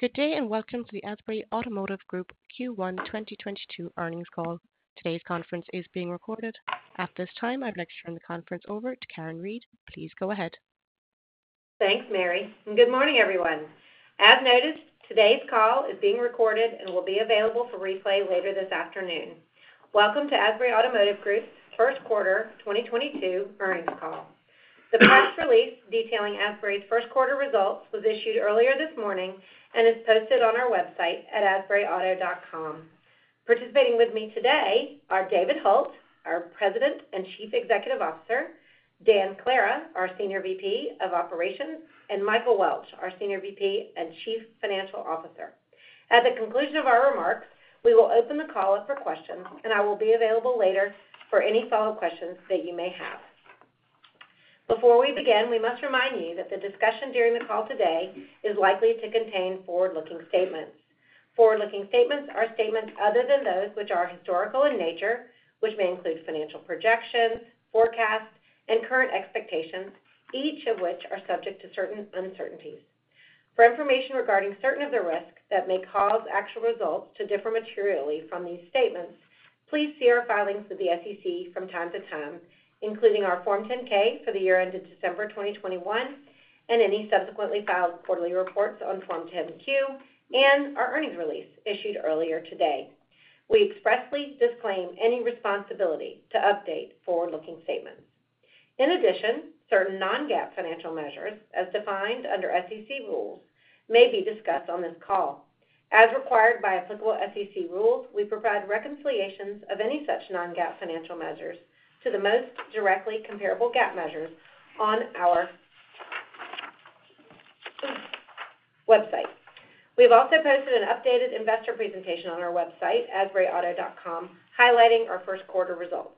Good day, and welcome to the Asbury Automotive Group Q1 2022 Earnings Call. Today's conference is being recorded. At this time, I'd like to turn the conference over to Karen Reid. Please go ahead. Thanks, Mary, and good morning, everyone. As noticed, today's call is being recorded and will be available for replay later this afternoon. Welcome to Asbury Automotive Group's Q1 2022 Earnings Call. The press release detailing Asbury's Q1 results was issued earlier this morning and is posted on our website at asburyauto.com. Participating with me today are David Hult, our President and Chief Executive Officer, Dan Clara, our Senior VP of Operations, and Michael Welch, our Senior VP and Chief Financial Officer. At the conclusion of our remarks, we will open the call up for questions, and I will be available later for any follow questions that you may have. Before we begin, we must remind you that the discussion during the call today is likely to contain forward-looking statements. Forward-looking statements are statements other than those which are historical in nature, which may include financial projections, forecasts, and current expectations, each of which are subject to certain uncertainties. For information regarding certain of the risks that may cause actual results to differ materially from these statements, please see our filings with the SEC from time to time, including our Form 10-K for the year ended December 2021 and any subsequently filed quarterly reports on Form 10-Q and our earnings release issued earlier today. We expressly disclaim any responsibility to update forward-looking statements. In addition, certain non-GAAP financial measures, as defined under SEC rules, may be discussed on this call. As required by applicable SEC rules, we provide reconciliations of any such non-GAAP financial measures to the most directly comparable GAAP measures on our website. We've also posted an updated investor presentation on our website, asburyauto.com, highlighting our Q1 results.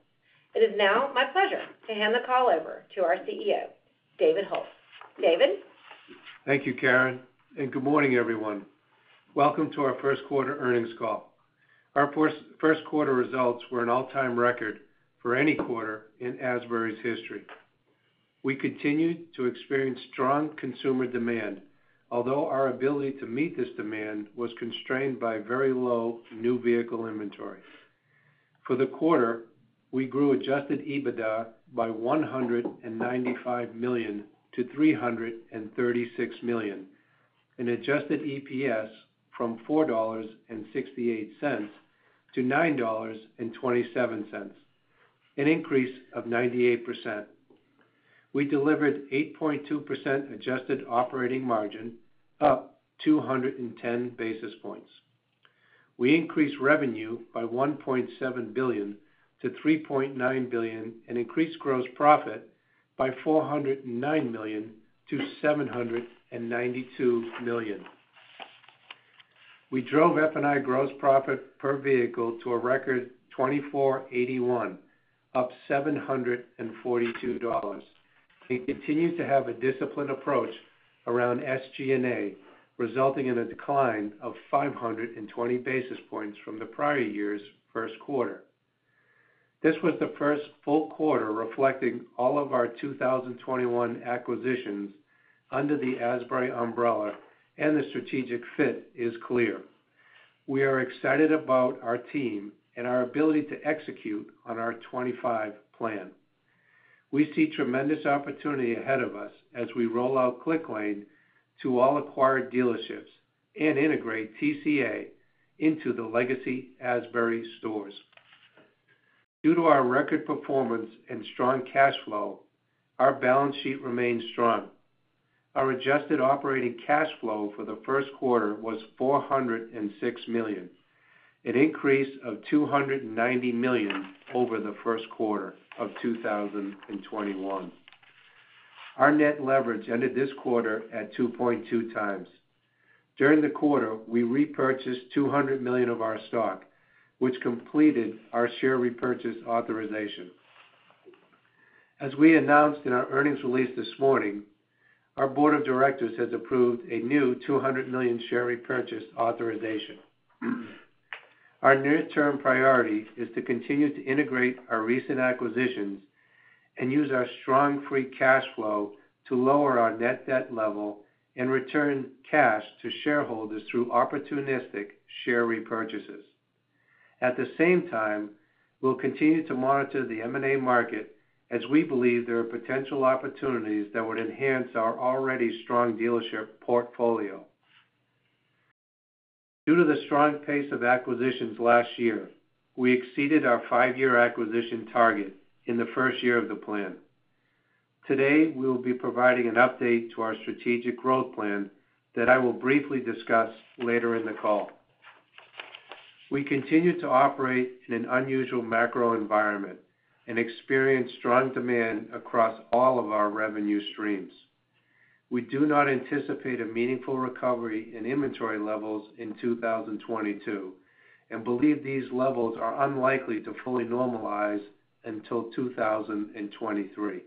It is now my pleasure to hand the call over to our CEO, David Hult. David? Thank you, Karen, and good morning, everyone. Welcome to our Q1 Earnings Call. Our Q1 results were an all-time record for any quarter in Asbury's history. We continued to experience strong consumer demand, although our ability to meet this demand was constrained by very low new vehicle inventory. For the quarter, we grew adjusted EBITDA by $195 million to $336 million, and adjusted EPS from $4.68 to $9.27, an increase of 98%. We delivered 8.2% adjusted operating margin, up 210 basis points. We increased revenue by $1.7 billion to $3.9 billion and increased gross profit by $409 million to $792 million. We drove F&I gross profit per vehicle to a record $2,481, up $742. We continue to have a disciplined approach around SG&A, resulting in a decline of 520 basis points from the prior year's Q1. This was the first full quarter reflecting all of our 2021 acquisitions under the Asbury umbrella, and the strategic fit is clear. We are excited about our team and our ability to execute on our 25 plans. We see tremendous opportunity ahead of us as we roll out Clicklane to all acquired dealerships and integrate TCA into the legacy Asbury stores. Due to our record performance and strong cash flow, our balance sheet remains strong. Our adjusted operating cash flow for the Q1 was $406 million, an increase of $290 million over the Q1 of 2021. Our net leverage ended this quarter at 2.2 times. During the quarter, we repurchased $200 million of our stock, which completed our share repurchase authorization. As we announced in our earnings release this morning, our board of directors has approved a new $200 million share repurchase authorization. Our near-term priority is to continue to integrate our recent acquisitions and use our strong free cash flow to lower our net debt level and return cash to shareholders through opportunistic share repurchases. At the same time, we'll continue to monitor the M&A market as we believe there are potential opportunities that would enhance our already strong dealership portfolio. Due to the strong pace of acquisitions last year, we exceeded our five-year acquisition target in the first year of the plan. Today, we will be providing an update to our strategic growth plan that I will briefly discuss later in the call. We continue to operate in an unusual macro environment and experience strong demand across all of our revenue streams. We do not anticipate a meaningful recovery in inventory levels in 2022 and believe these levels are unlikely to fully normalize until 2023.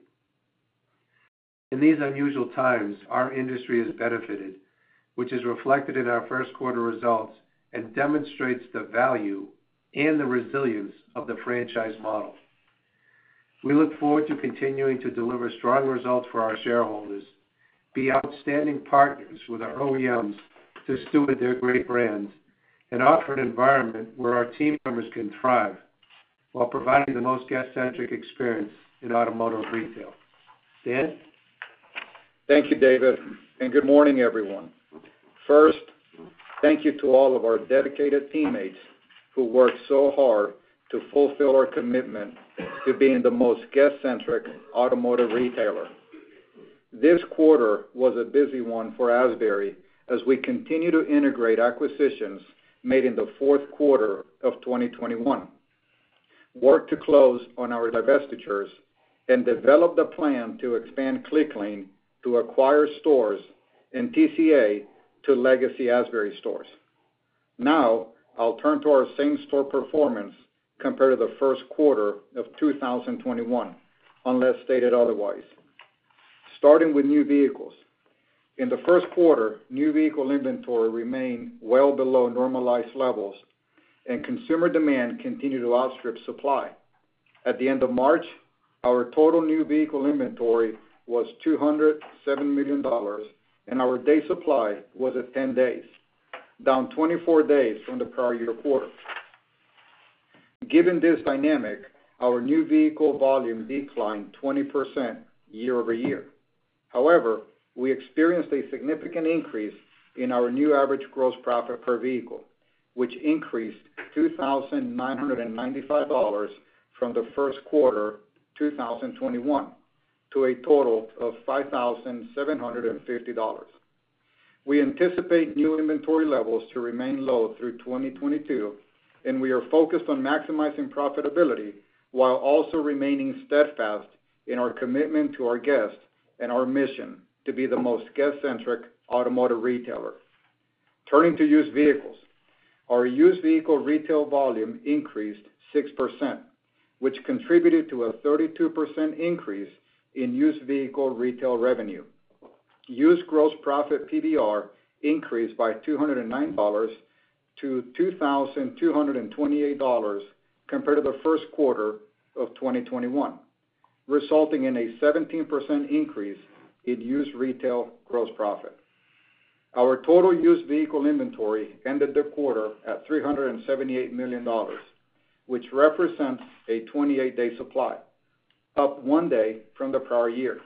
In these unusual times, our industry has benefited, which is reflected in our Q1 results and demonstrates the value and the resilience of the franchise model. We look forward to continuing to deliver strong results for our shareholders, be outstanding partners with our OEMs to steward their great brands and offer an environment where our team members can thrive while providing the most guest-centric experience in automotive retail. Dan? Thank you, David, and good morning, everyone. First, thank you to all of our dedicated teammates who work so hard to fulfill our commitment to being the most guest-centric automotive retailer. This quarter was a busy one for Asbury as we continue to integrate acquisitions made in the Q4 of 2021, work to close on our divestitures, and develop the plan to expand Clicklane to acquire stores and TCA to legacy Asbury stores. Now, I'll turn to our same-store performance compared to the Q1 of 2021, unless stated otherwise. Starting with new vehicles. In the Q1, new-vehicle inventory remained well below normalized levels, and consumer demand continued to outstrip supply. At the end of March, our total new-vehicle inventory was $207 million, and our day supply was at 10 days, down 24 days from the prior year quarter. Given this dynamic, our new-vehicle volume declined 20% year-over-year. However, we experienced a significant increase in our new average gross profit per vehicle, which increased $2,995 from the Q1 2021 to a total of $5,750. We anticipate new inventory levels to remain low through 2022, and we are focused on maximizing profitability while also remaining steadfast in our commitment to our guests and our mission to be the most guest-centric automotive retailer. Turning to used vehicles. Our used vehicle retail volume increased 6%, which contributed to a 32% increase in used vehicle retail revenue. Used gross profit PVR increased by $209 to $2,228 compared to the Q1 of 2021, resulting in a 17% increase in used retail gross profit. Our total used vehicle inventory ended the quarter at $378 million, which represents a 28-day supply, up 1 day from the prior year.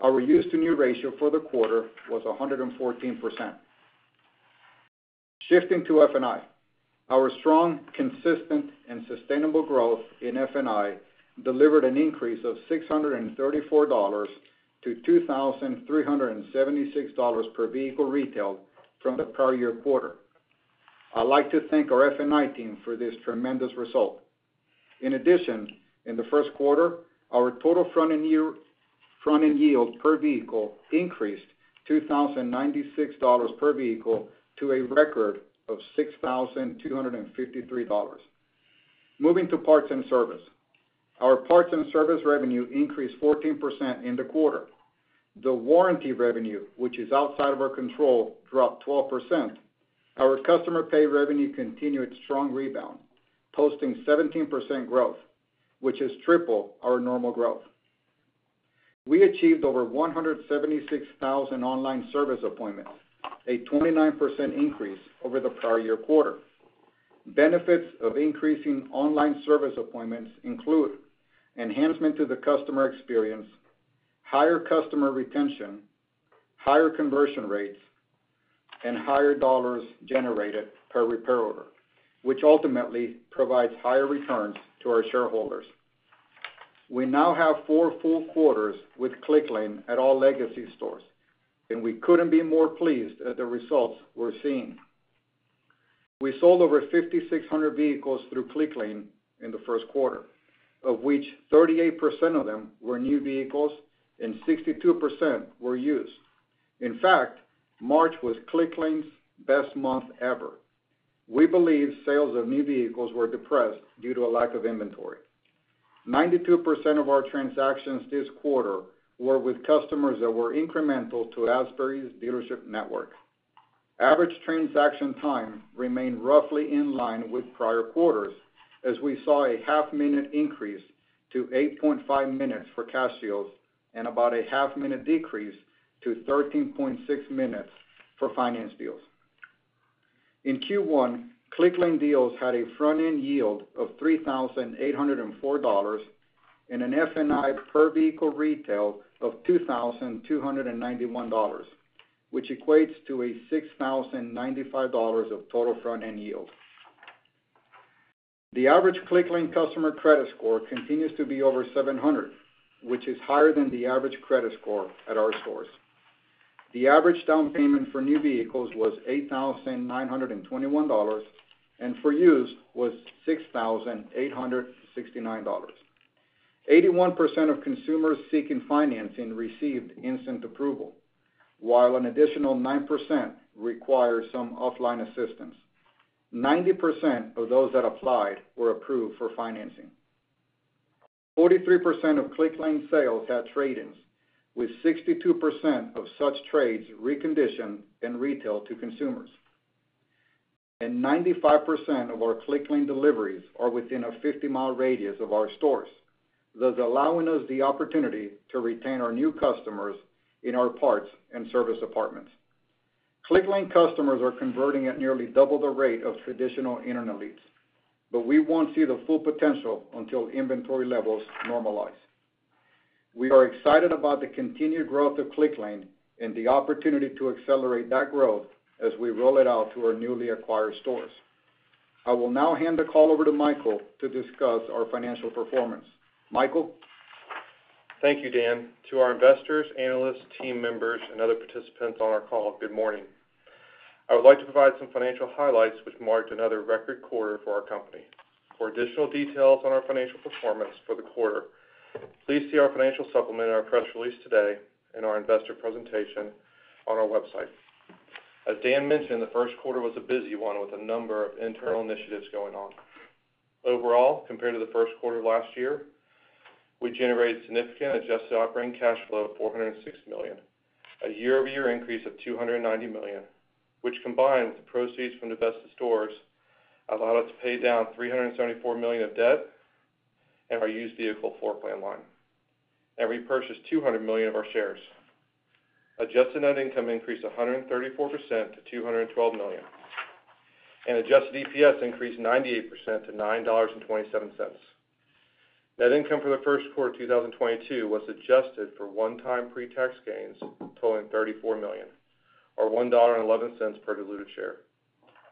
Our used-to-new ratio for the quarter was 114%. Shifting to F&I. Our strong, consistent, and sustainable growth in F&I delivered an increase of $634 to $2,376 per vehicle retailed from the prior-year quarter. I'd like to thank our F&I team for this tremendous result. In addition, in the Q1, our total front-end yield per vehicle increased $2,096 per vehicle to a record of $6,253. Moving to parts and service. Our parts and service revenue increased 14% in the quarter. The warranty revenue, which is outside of our control, dropped 12%. Our customer pay revenue continued strong rebound, posting 17% growth, which is triple our normal growth. We achieved over 176,000 online service appointments, a 29% increase over the prior-year quarter. Benefits of increasing online service appointments include enhancement to the customer experience, higher customer retention, higher conversion rates, and higher dollars generated per repair order, which ultimately provides higher returns to our shareholders. We now have four full quarters with Clicklane at all legacy stores, and we couldn't be more pleased at the results we're seeing. We sold over 5,600 vehicles through Clicklane in the Q1, of which 38% of them were new vehicles and 62% were used. In fact, March was Clicklane's best month ever. We believe sales of new vehicles were depressed due to a lack of inventory. 92% of our transactions this quarter were with customers that were incremental to Asbury's dealership network. Average transaction time remained roughly in line with prior quarters as we saw a half-minute increase to 8.5 minutes for cash deals and about a half-minute decrease to 13.6 minutes for finance deals. In Q1, Clicklane deals had a front-end yield of $3,804 and an F&I per-vehicle retail of $2,291, which equates to $6,095 of total front-end yield. The average Clicklane customer credit score continues to be over 700, which is higher than the average credit score at our stores. The average down payment for new vehicles was $8,921, and for used was $6,869. 81% of consumers seeking financing received instant approval, while an additional 9% required some offline assistance. 90% of those that applied were approved for financing. 43% of Clicklane sales had trade-ins, with 62% of such trades reconditioned and retailed to consumers. 95% of our Clicklane deliveries are within a 50-mile radius of our stores, thus allowing us the opportunity to retain our new customers in our parts and service departments. Clicklane customers are converting at nearly double the rate of traditional internet leads, but we won't see the full potential until inventory levels normalize. We are excited about the continued growth of Clicklane and the opportunity to accelerate that growth as we roll it out to our newly acquired stores. I will now hand the call over to Michael to discuss our financial performance. Michael? Thank you, Dan. To our investors, analysts, team members, and other participants on our call, good morning. I would like to provide some financial highlights which marked another record quarter for our company. For additional details on our financial performance for the quarter, please see our financial supplement in our press release today and our investor presentation on our website. As Dan mentioned, the Q1 was a busy one with a number of internal initiatives going on. Overall, compared to the Q1 of last year, we generated significant adjusted operating cash flow of $406 million, a year-over-year increase of $290 million, which combined with the proceeds from the divested stores allowed us to pay down $374 million of debt in our used vehicle floor plan line and repurchase $200 million of our shares. Adjusted net income increased 134% to $212 million, and adjusted EPS increased 98% to $9.27. Net income for the Q1 of 2022 was adjusted for one-time pre-tax gains totaling $34 million, or $1.11 per diluted share,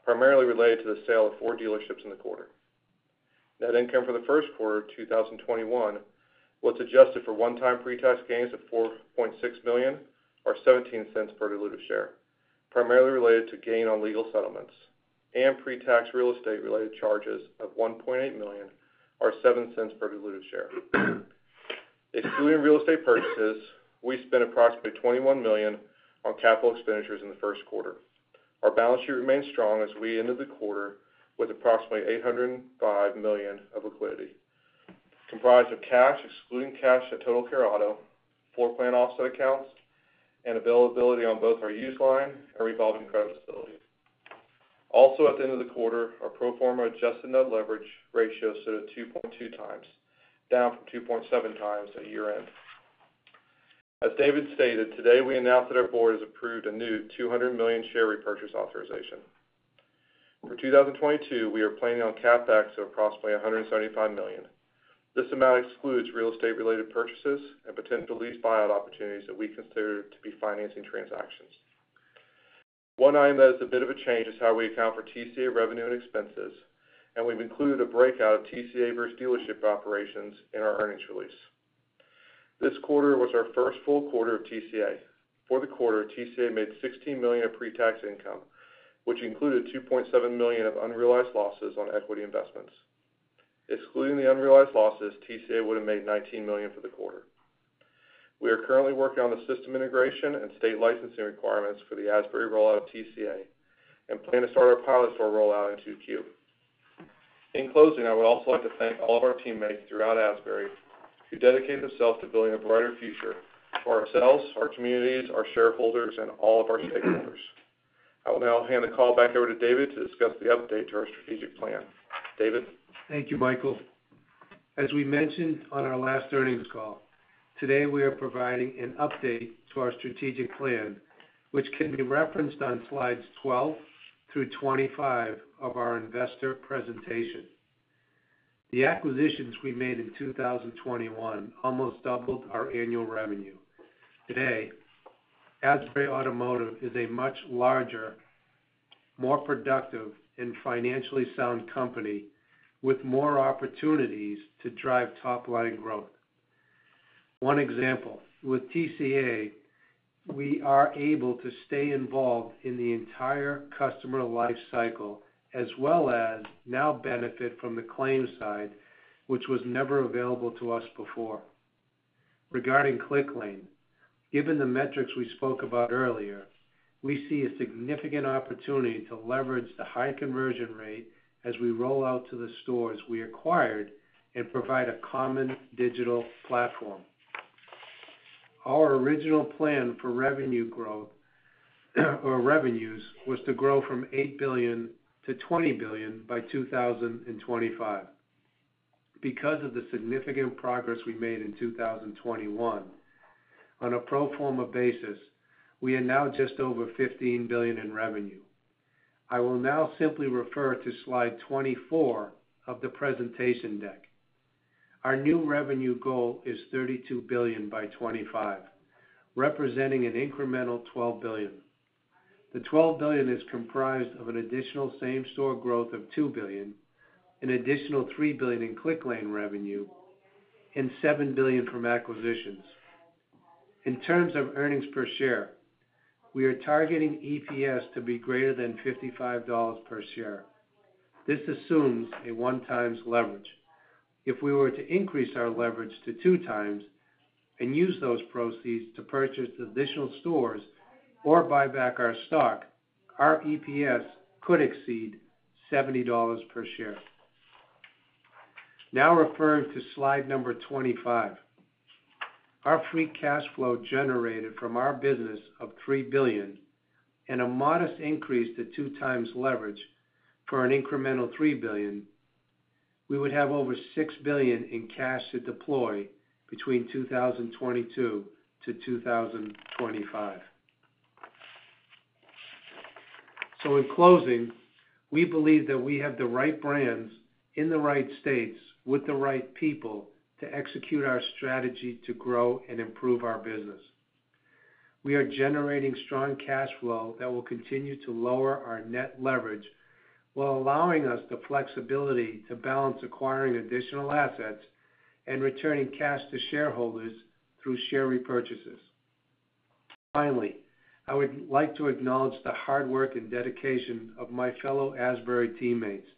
primarily related to the sale of four dealerships in the quarter. Net income for the Q1 of 2021 was adjusted for one-time pre-tax gains of $4.6 million or $0.17 per diluted share, primarily related to gain on legal settlements and pre-tax real estate-related charges of $1.8 million or $0.07 per diluted share. Excluding real estate purchases, we spent approximately $21 million on capital expenditures in the Q1. Our balance sheet remains strong as we ended the quarter with approximately $805 million of liquidity, comprised of cash, excluding cash at Total Care Auto, floor plan offset accounts, and availability on both our used line and revolving credit facility. Also at the end of the quarter, our pro forma adjusted net leverage ratio stood at 2.2 times, down from 2.7 times at year-end. As David stated, today we announced that our board has approved a new $200 million share repurchase authorization. For 2022, we are planning on CapEx of approximately $175 million. This amount excludes real estate-related purchases and potential lease buyout opportunities that we consider to be financing transactions. One item that is a bit of a change is how we account for TCA revenue and expenses, and we've included a breakout of TCA versus dealership operations in our earnings release. This quarter was our first full quarter of TCA. For the quarter, TCA made $16 million of pre-tax income, which included $2.7 million of unrealized losses on equity investments. Excluding the unrealized losses, TCA would have made $19 million for the quarter. We are currently working on the system integration and state licensing requirements for the Asbury rollout of TCA and plan to start our pilot store rollout in 2Q. In closing, I would also like to thank all of our teammates throughout Asbury who dedicate themselves to building a brighter future for ourselves, our communities, our shareholders, and all of our stakeholders. I will now hand the call back over to David to discuss the update to our strategic plan. David? Thank you, Michael. As we mentioned on our last earnings call, today we are providing an update to our strategic plan, which can be referenced on slides 12 through 25 of our investor presentation. The acquisitions we made in 2021 almost doubled our annual revenue. Today, Asbury Automotive is a much larger, more productive, and financially sound company with more opportunities to drive top-line growth. One example, with TCA, we are able to stay involved in the entire customer life cycle as well as now benefit from the claims side, which was never available to us before. Regarding Clicklane, given the metrics we spoke about earlier, we see a significant opportunity to leverage the high conversion rate as we roll out to the stores we acquired and provide a common digital platform. Our original plan for revenue growth, or revenues was to grow from $8 billion to $20 billion by 2025. Because of the significant progress we made in 2021, on a pro forma basis, we are now just over $15 billion in revenue. I will now simply refer to slide 24 of the presentation deck. Our new revenue goal is $32 billion by 2025, representing an incremental $12 billion. The $12 billion is comprised of an additional same-store growth of $2 billion, an additional $3 billion in Clicklane revenue, and $7 billion from acquisitions. In terms of earnings per share, we are targeting EPS to be greater than $55 per share. This assumes a 1x leverage. If we were to increase our leverage to 2x and use those proceeds to purchase additional stores or buy back our stock, our EPS could exceed $70 per share. Now referring to slide 25. Our free cash flow generated from our business of $3 billion and a modest increase to 2x leverage for an incremental $3 billion, we would have over $6 billion in cash to deploy between 2022 and 2025. In closing, we believe that we have the right brands in the right states with the right people to execute our strategy to grow and improve our business. We are generating strong cash flow that will continue to lower our net leverage while allowing us the flexibility to balance acquiring additional assets and returning cash to shareholders through share repurchases. Finally, I would like to acknowledge the hard work and dedication of my fellow Asbury teammates.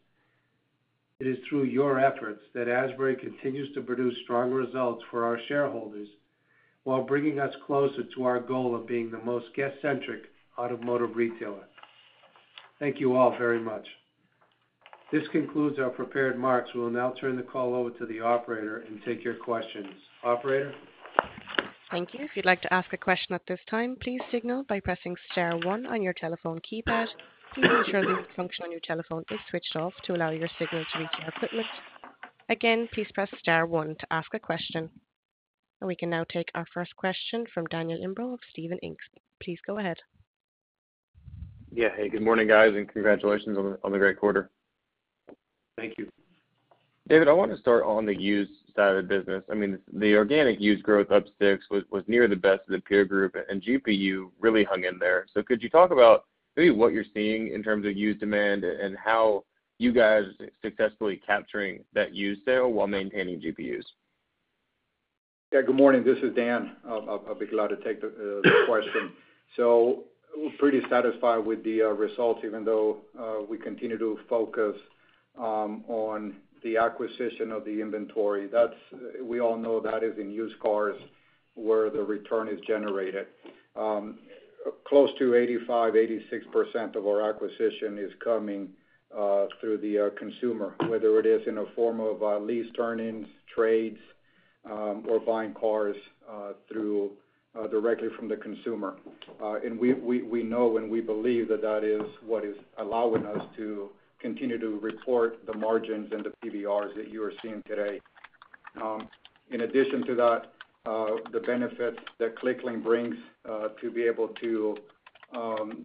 It is through your efforts that Asbury continues to produce strong results for our shareholders while bringing us closer to our goal of being the most guest-centric automotive retailer. Thank you all very much. This concludes our prepared remarks. We'll now turn the call over to the operator and take your questions. Operator? Thank you. If you'd like to ask a question at this time, please signal by pressing star one on your telephone keypad. Please ensure the mute function on your telephone is switched off to allow your signal to reach our equipment. Again, please press star one to ask a question. We can now take our first question from Daniel Imbro of Stephens Inc. Please go ahead. Yeah. Hey, good morning, guys, and congratulations on the great quarter. Thank you. David, I want to start on the used side of the business. I mean, the organic used growth up 6% was near the best of the peer group, and GPU really hung in there. Could you talk about maybe what you're seeing in terms of used demand and how you guys successfully capturing that used sale while maintaining GPUs? Yeah. Good morning. This is Dan. I'll be glad to take the question. We're pretty satisfied with the results even though we continue to focus on the acquisition of the inventory. We all know that is in used cars where the return is generated. Close to 85%-86% of our acquisition is coming through the consumer, whether it is in a form of lease turn-ins, trades, or buying cars through directly from the consumer. We know and we believe that is what is allowing us to continue to report the margins and the PVRs that you are seeing today. In addition to that, the benefit that Clicklane brings to be able to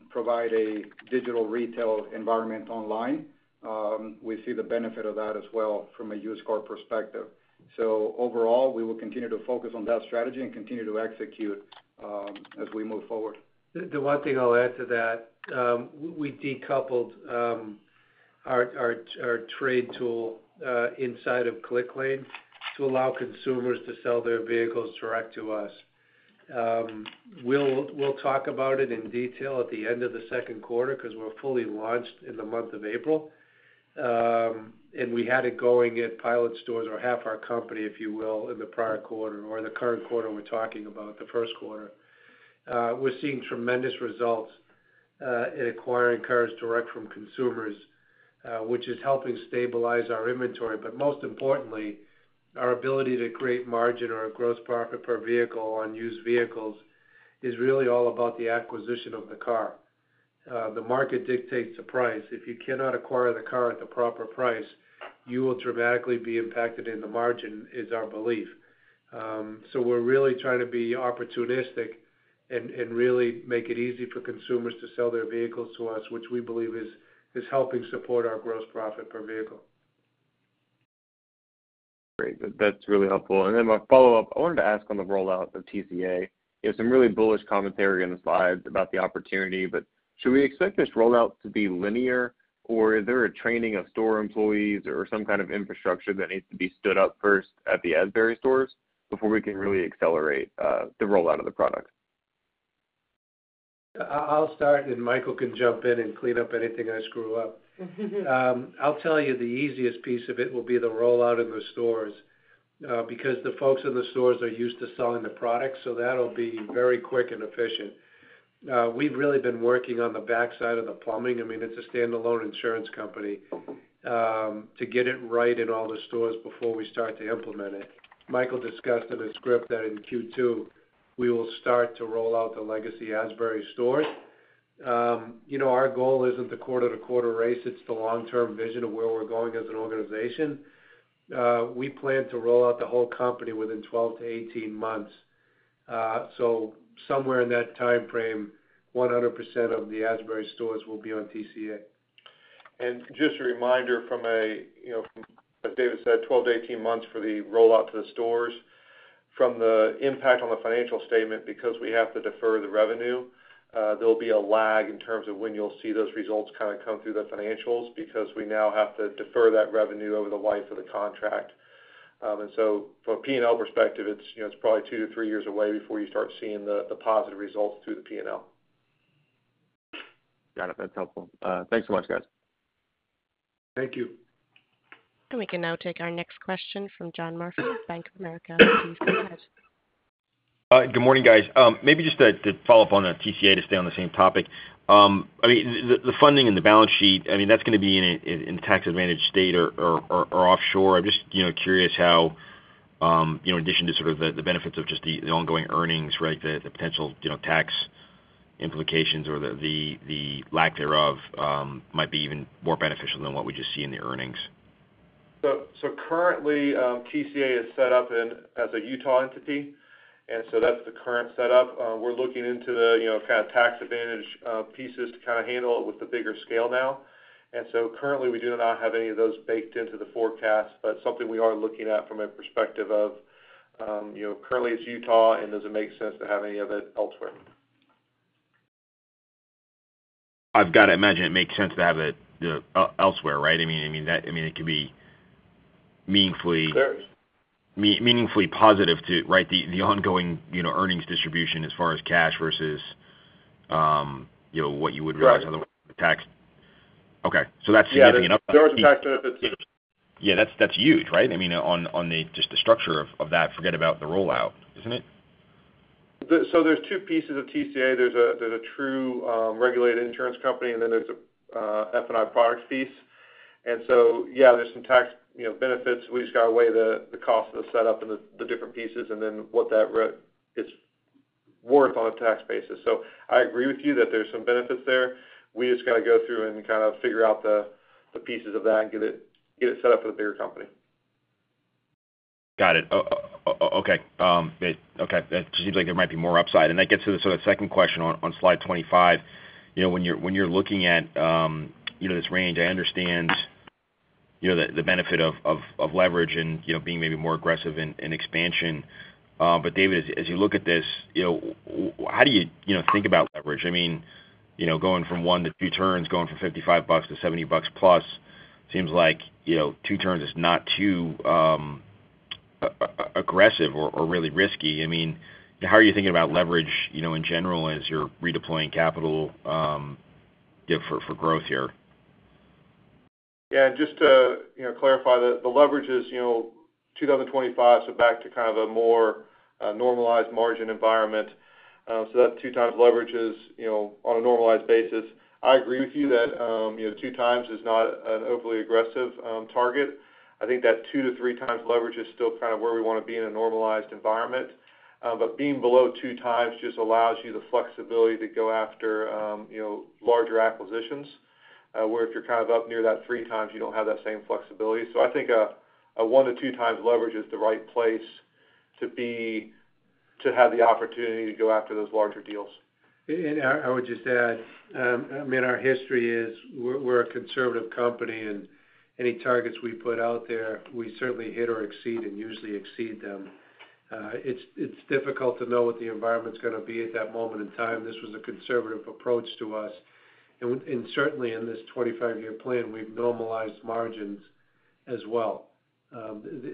provide a digital retail environment online, we see the benefit of that as well from a used car perspective. Overall, we will continue to focus on that strategy and continue to execute as we move forward. The one thing I'll add to that, we decoupled our trade tool inside of Clicklane to allow consumers to sell their vehicles direct to us. We'll talk about it in detail at the end of the Q2 because we're fully launched in the month of April. We had it going at pilot stores or half our company, if you will, in the prior quarter or in the current quarter we're talking about, the Q1. We're seeing tremendous results in acquiring cars direct from consumers, which is helping stabilize our inventory. Most importantly, our ability to create margin or a gross profit per vehicle on used vehicles is really all about the acquisition of the car. The market dictates the price. If you cannot acquire the car at the proper price, you will dramatically be impacted in the margin, is our belief. We're really trying to be opportunistic and really make it easy for consumers to sell their vehicles to us, which we believe is helping support our gross profit per vehicle. Great. That's really helpful. My follow-up, I wanted to ask on the rollout of TCA. You have some really bullish commentary in the slides about the opportunity, but should we expect this rollout to be linear, or is there a training of store employees or some kind of infrastructure that needs to be stood up first at the Asbury stores before we can really accelerate the rollout of the product? I'll start, and Michael can jump in and clean up anything I screw up. I'll tell you the easiest piece of it will be the rollout of the stores, because the folks in the stores are used to selling the product, so that'll be very quick and efficient. We've really been working on the backside of the plumbing, I mean, it's a standalone insurance company, to get it right in all the stores before we start to implement it. Michael discussed in the script that in Q2, we will start to roll out the legacy Asbury stores. You know, our goal isn't the quarter-to-quarter race, it's the long-term vision of where we're going as an organization. We plan to roll out the whole company within 12-18 months. Somewhere in that timeframe, 100% of the Asbury stores will be on TCA. Just a reminder, you know, as David said, 12-18 months for the rollout to the stores. From the impact on the financial statement, because we have to defer the revenue, there'll be a lag in terms of when you'll see those results kind of come through the financials because we now have to defer that revenue over the life of the contract. From a P&L perspective, it's, you know, it's probably two-three years away before you start seeing the positive results through the P&L. Got it. That's helpful. Thanks so much, guys. Thank you. We can now take our next question from John Murphy of Bank of America. Please go ahead. Good morning, guys. Maybe just to follow up on TCA to stay on the same topic. I mean, the funding and the balance sheet, I mean, that's gonna be in a tax-advantaged state or offshore. I'm just, you know, curious how, you know, in addition to sort of the benefits of just the ongoing earnings, right, the potential, you know, tax implications or the lack thereof might be even more beneficial than what we just see in the earnings. Currently, TCA is set up as a Utah entity, and that's the current setup. We're looking into, you know, kind of tax-advantaged pieces to kind of handle it with the bigger scale now. Currently, we do not have any of those baked into the forecast, but something we are looking at from a perspective of, you know, currently it's Utah, and does it make sense to have any of it elsewhere? I've got to imagine it makes sense to have it elsewhere, right? I mean, it could be meaningfully- It does. Meaningfully positive too. Right? The ongoing, you know, earnings distribution as far as cash versus, you know, what you would realize- Right. On the tax. Okay. That's significant. Yeah. There is a tax benefit there. Yeah, that's huge, right? I mean, on the just the structure of that, forget about the rollout, isn't it? There's two pieces of TCA. There's a true regulated insurance company, and then there's a F&I products piece. Yeah, there's some tax, you know, benefits. We just gotta weigh the cost of the setup and the different pieces and then what that is worth on a tax basis. I agree with you that there's some benefits there. We just gotta go through and kind of figure out the pieces of that and get it set up for the bigger company. Got it. Okay. It seems like there might be more upside. That gets to the sort of second question on slide 25. You know, when you're looking at, you know, this range, I understand, you know, the benefit of leverage and, you know, being maybe more aggressive in expansion. David, as you look at this, you know, how do you know, think about leverage? I mean, you know, going from one to two turns, going from $55 to $70 plus seems like, you know, two turns is not too aggressive or really risky. I mean, how are you thinking about leverage, you know, in general as you're redeploying capital, you know, for growth here? Yeah. Just to, you know, clarify that the leverage is 2025, so back to kind of a more normalized margin environment. So that 2x leverage is on a normalized basis. I agree with you that 2x is not an overly aggressive target. I think that 2-3x leverage is still kind of where we wanna be in a normalized environment. But being below 2x just allows you the flexibility to go after larger acquisitions, where if you're kind of up near that 3x, you don't have that same flexibility. So I think a 1-2x leverage is the right place to be to have the opportunity to go after those larger deals. I would just add, I mean, our history is we're a conservative company, and any targets we put out there, we certainly hit or exceed and usually exceed them. It's difficult to know what the environment's gonna be at that moment in time. This was a conservative approach to us. Certainly in this 25-year plan, we've normalized margins as well.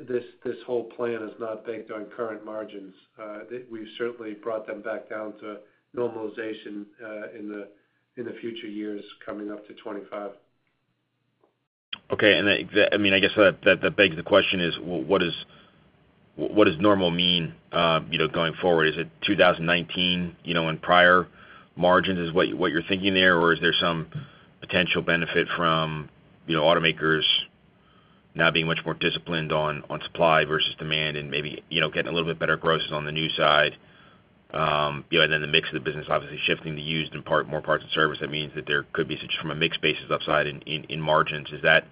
This whole plan is not baked on current margins. We've certainly brought them back down to normalization in the future years coming up to 2025. Okay. I mean, I guess that begs the question, what does normal mean, you know, going forward? Is it 2019, you know, and prior margins what you're thinking there? Or is there some potential benefit from, you know, automakers now being much more disciplined on supply versus demand and maybe, you know, getting a little bit better grosses on the new side, you know, and then the mix of the business obviously shifting to used and more parts and service. That means that there could be some upside from a mix basis in margins. Is that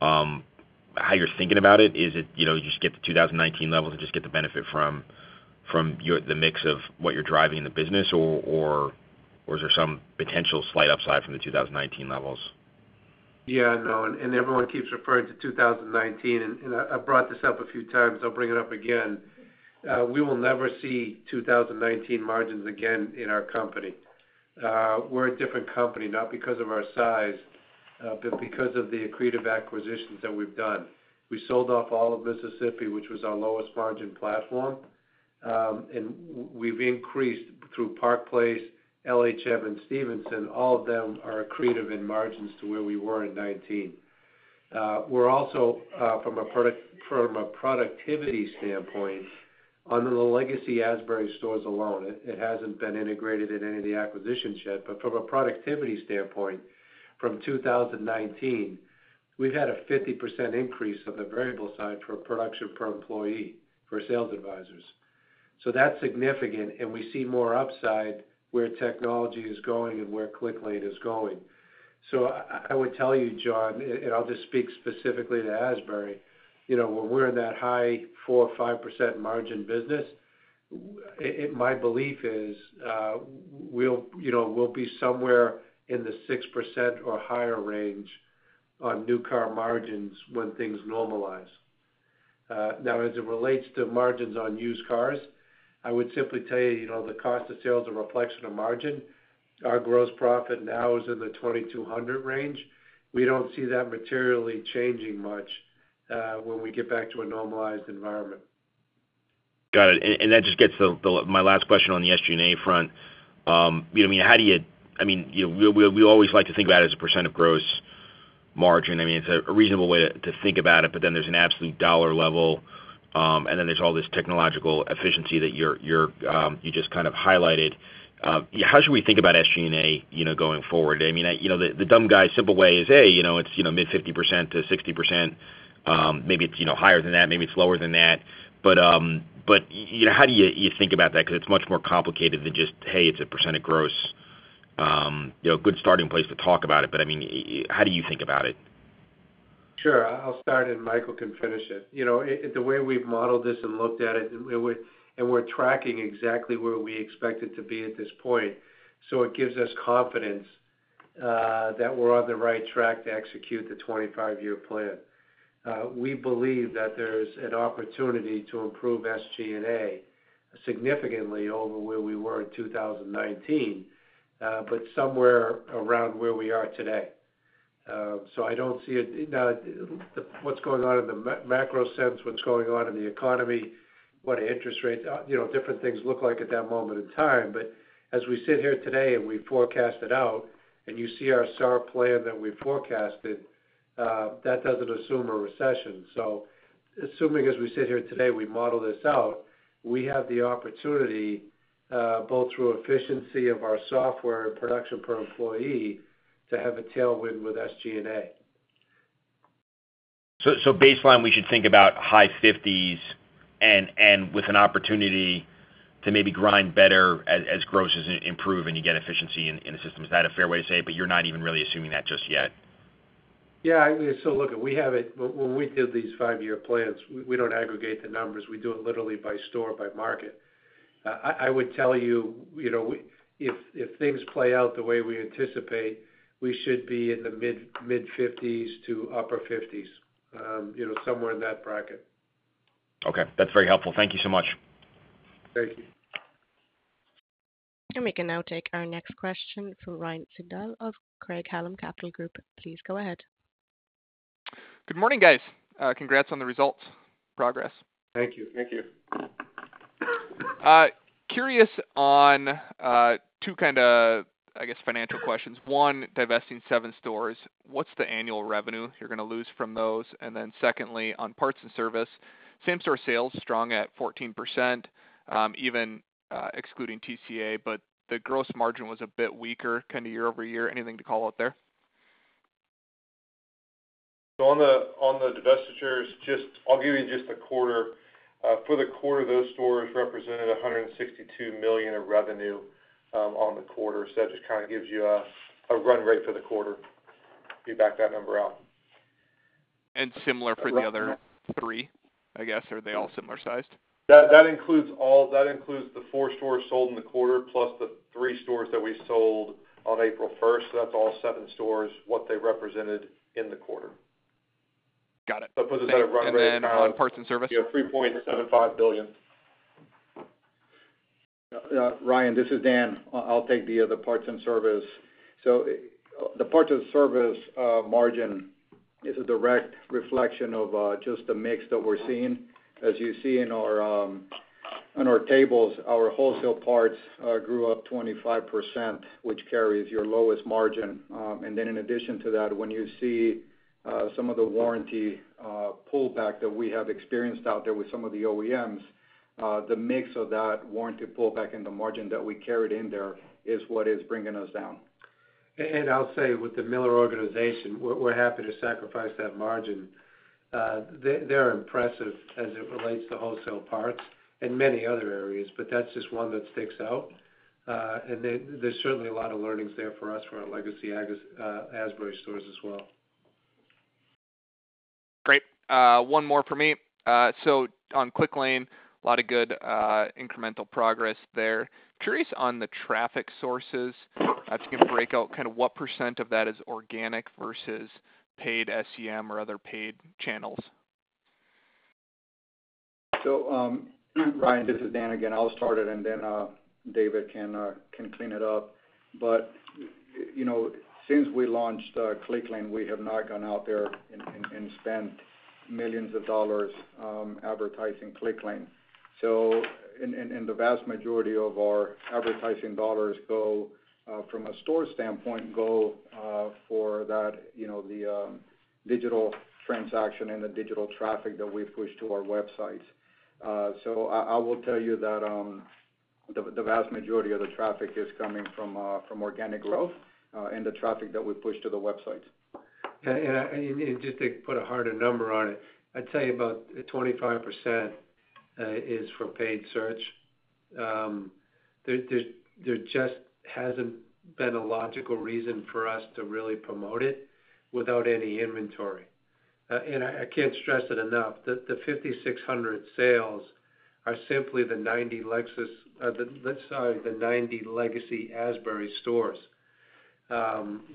how you're thinking about it? Is it, you know, you just get to 2019 levels and just get the benefit from the mix of what you're driving in the business or is there some potential slight upside from the 2019 levels? Yeah. No. Everyone keeps referring to 2019, and I brought this up a few times. I'll bring it up again. We will never see 2019 margins again in our company. We're a different company, not because of our size, but because of the accretive acquisitions that we've done. We sold off all of Mississippi, which was our lowest margin platform. We've increased through Park Place, LHM, and Stevinson. All of them are accretive in margins to where we were in 2019. We're also from a productivity standpoint, under the legacy Asbury stores alone, it hasn't been integrated in any of the acquisitions yet. But from a productivity standpoint, from 2019, we've had a 50% increase of the variable side for production per employee for sales advisors. That's significant, and we see more upside where technology is going and where Clicklane is going. I would tell you, John, and I'll just speak specifically to Asbury. You know, when we're in that high 4 or 5% margin business, and my belief is, you know, we'll be somewhere in the 6% or higher range on new car margins when things normalize. Now as it relates to margins on used cars, I would simply tell you know, the cost of sales are a reflection of margin. Our gross profit now is in the $2,200 range. We don't see that materially changing much when we get back to a normalized environment. Got it. That just gets to my last question on the SG&A front. You know, I mean, you know, we always like to think about it as a % of gross Margin. I mean, it's a reasonable way to think about it, but then there's an absolute dollar level, and then there's all this technological efficiency that you just kind of highlighted. How should we think about SG&A, you know, going forward? I mean, you know, the dumb guy simple way is a, you know, it's, you know, 50%-60%. Maybe it's, you know, higher than that, maybe it's lower than that. You know, how do you think about that? 'Cause it's much more complicated than just, "Hey, it's a percent of gross." You know, a good starting place to talk about it, but I mean, how do you think about it? Sure. I'll start and Michael can finish it. You know, the way we've modeled this and looked at it and we're tracking exactly where we expect it to be at this point. It gives us confidence that we're on the right track to execute the 25-year plan. We believe that there's an opportunity to improve SG&A significantly over where we were in 2019, but somewhere around where we are today. I don't see it. Now, what's going on in the macro sense, what's going on in the economy, what interest rates, you know, different things look like at that moment in time. As we sit here today and we forecast it out and you see our SAR plan that we forecasted, that doesn't assume a recession. Assuming as we sit here today, we model this out, we have the opportunity, both through efficiency of our software and production per employee, to have a tailwind with SG&A. Baseline, we should think about high 50s% and with an opportunity to maybe grind better as grosses improve and you get efficiency in the system. Is that a fair way to say it? But you're not even really assuming that just yet. Yeah, look, we have it. When we did these five-year plans, we don't aggregate the numbers. We do it literally by store, by market. I would tell you know, if things play out the way we anticipate, we should be in the mid-50s% to upper 50s%, you know, somewhere in that bracket. Okay. That's very helpful. Thank you so much. Thank you. We can now take our next question from Ryan Sigdahl of Craig-Hallum Capital Group. Please go ahead. Good morning, guys. Congrats on the results. Progress. Thank you. Thank you. Curious on two kinda, I guess, financial questions. One, divesting seven stores, what's the annual revenue you're gonna lose from those? Secondly, on parts and service, same store sales strong at 14%, even excluding TCA, but the gross margin was a bit weaker kind of year-over-year. Anything to call out there? On the divestitures, just, I'll give you just a quarter. For the quarter, those stores represented $162 million of revenue on the quarter. That just kinda gives you a run rate for the quarter if you back that number out. Similar for the other three, I guess? Are they all similar sized? That includes all. That includes the four stores sold in the quarter, plus the three stores that we sold on April first. That's all seven stores, what they represented in the quarter. Got it. It puts a better run rate, kind of. on parts and service? You know, $3.75 billion. Ryan, this is Dan. I'll take the other parts and service. The parts and service margin is a direct reflection of just the mix that we're seeing. As you see in our tables, our wholesale parts grew up 25%, which carries your lowest margin. In addition to that, when you see some of the warranty pullback that we have experienced out there with some of the OEMs, the mix of that warranty pullback and the margin that we carried in there is what is bringing us down. I'll say with the Larry H. Miller organization, we're happy to sacrifice that margin. They're impressive as it relates to wholesale parts and many other areas, but that's just one that sticks out. There's certainly a lot of learnings there for us for our legacy Asbury stores as well. Great. One more for me. On Clicklane, a lot of good, incremental progress there. Curious on the traffic sources. If you can break out kinda what percent of that is organic versus paid SEM or other paid channels. Ryan, this is Dan again. I'll start it and then David can clean it up. You know, since we launched Clicklane, we have not gone out there and spent millions of dollars advertising Clicklane. The vast majority of our advertising dollars go from a store standpoint for that, you know, the digital transaction and the digital traffic that we've pushed to our website. I will tell you that the vast majority of the traffic is coming from organic growth and the traffic that we push to the website. Just to put a harder number on it, I'd tell you about 25% is for paid search. There just hasn't been a logical reason for us to really promote it without any inventory. I can't stress it enough. The 5,600 sales are simply the 90 legacy Asbury stores.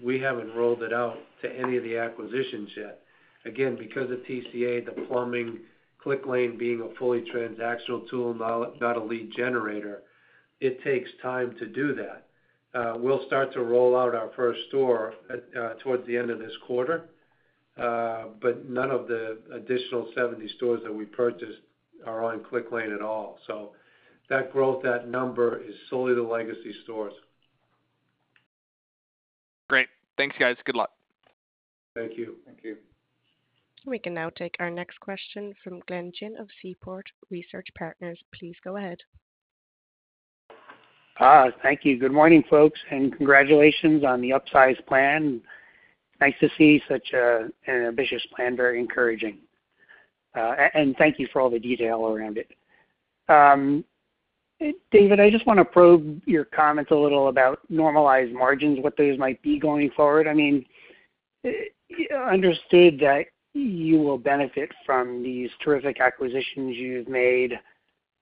We haven't rolled it out to any of the acquisitions yet. Again, because of TCA, the plumbing, Clicklane being a fully transactional tool, not a lead generator, it takes time to do that. We'll start to roll out our first store towards the end of this quarter. None of the additional 70 stores that we purchased are on Clicklane at all. That growth, that number is solely the legacy stores. Great. Thanks, guys. Good luck. Thank you. Thank you. We can now take our next question from Glenn Chin of Seaport Research Partners. Please go ahead. Thank you. Good morning, folks, and congratulations on the upsized plan. Nice to see such an ambitious plan. Very encouraging. And thank you for all the detail around it. David, I just wanna probe your comments a little about normalized margins, what those might be going forward. I mean, understood that you will benefit from these terrific acquisitions you've made,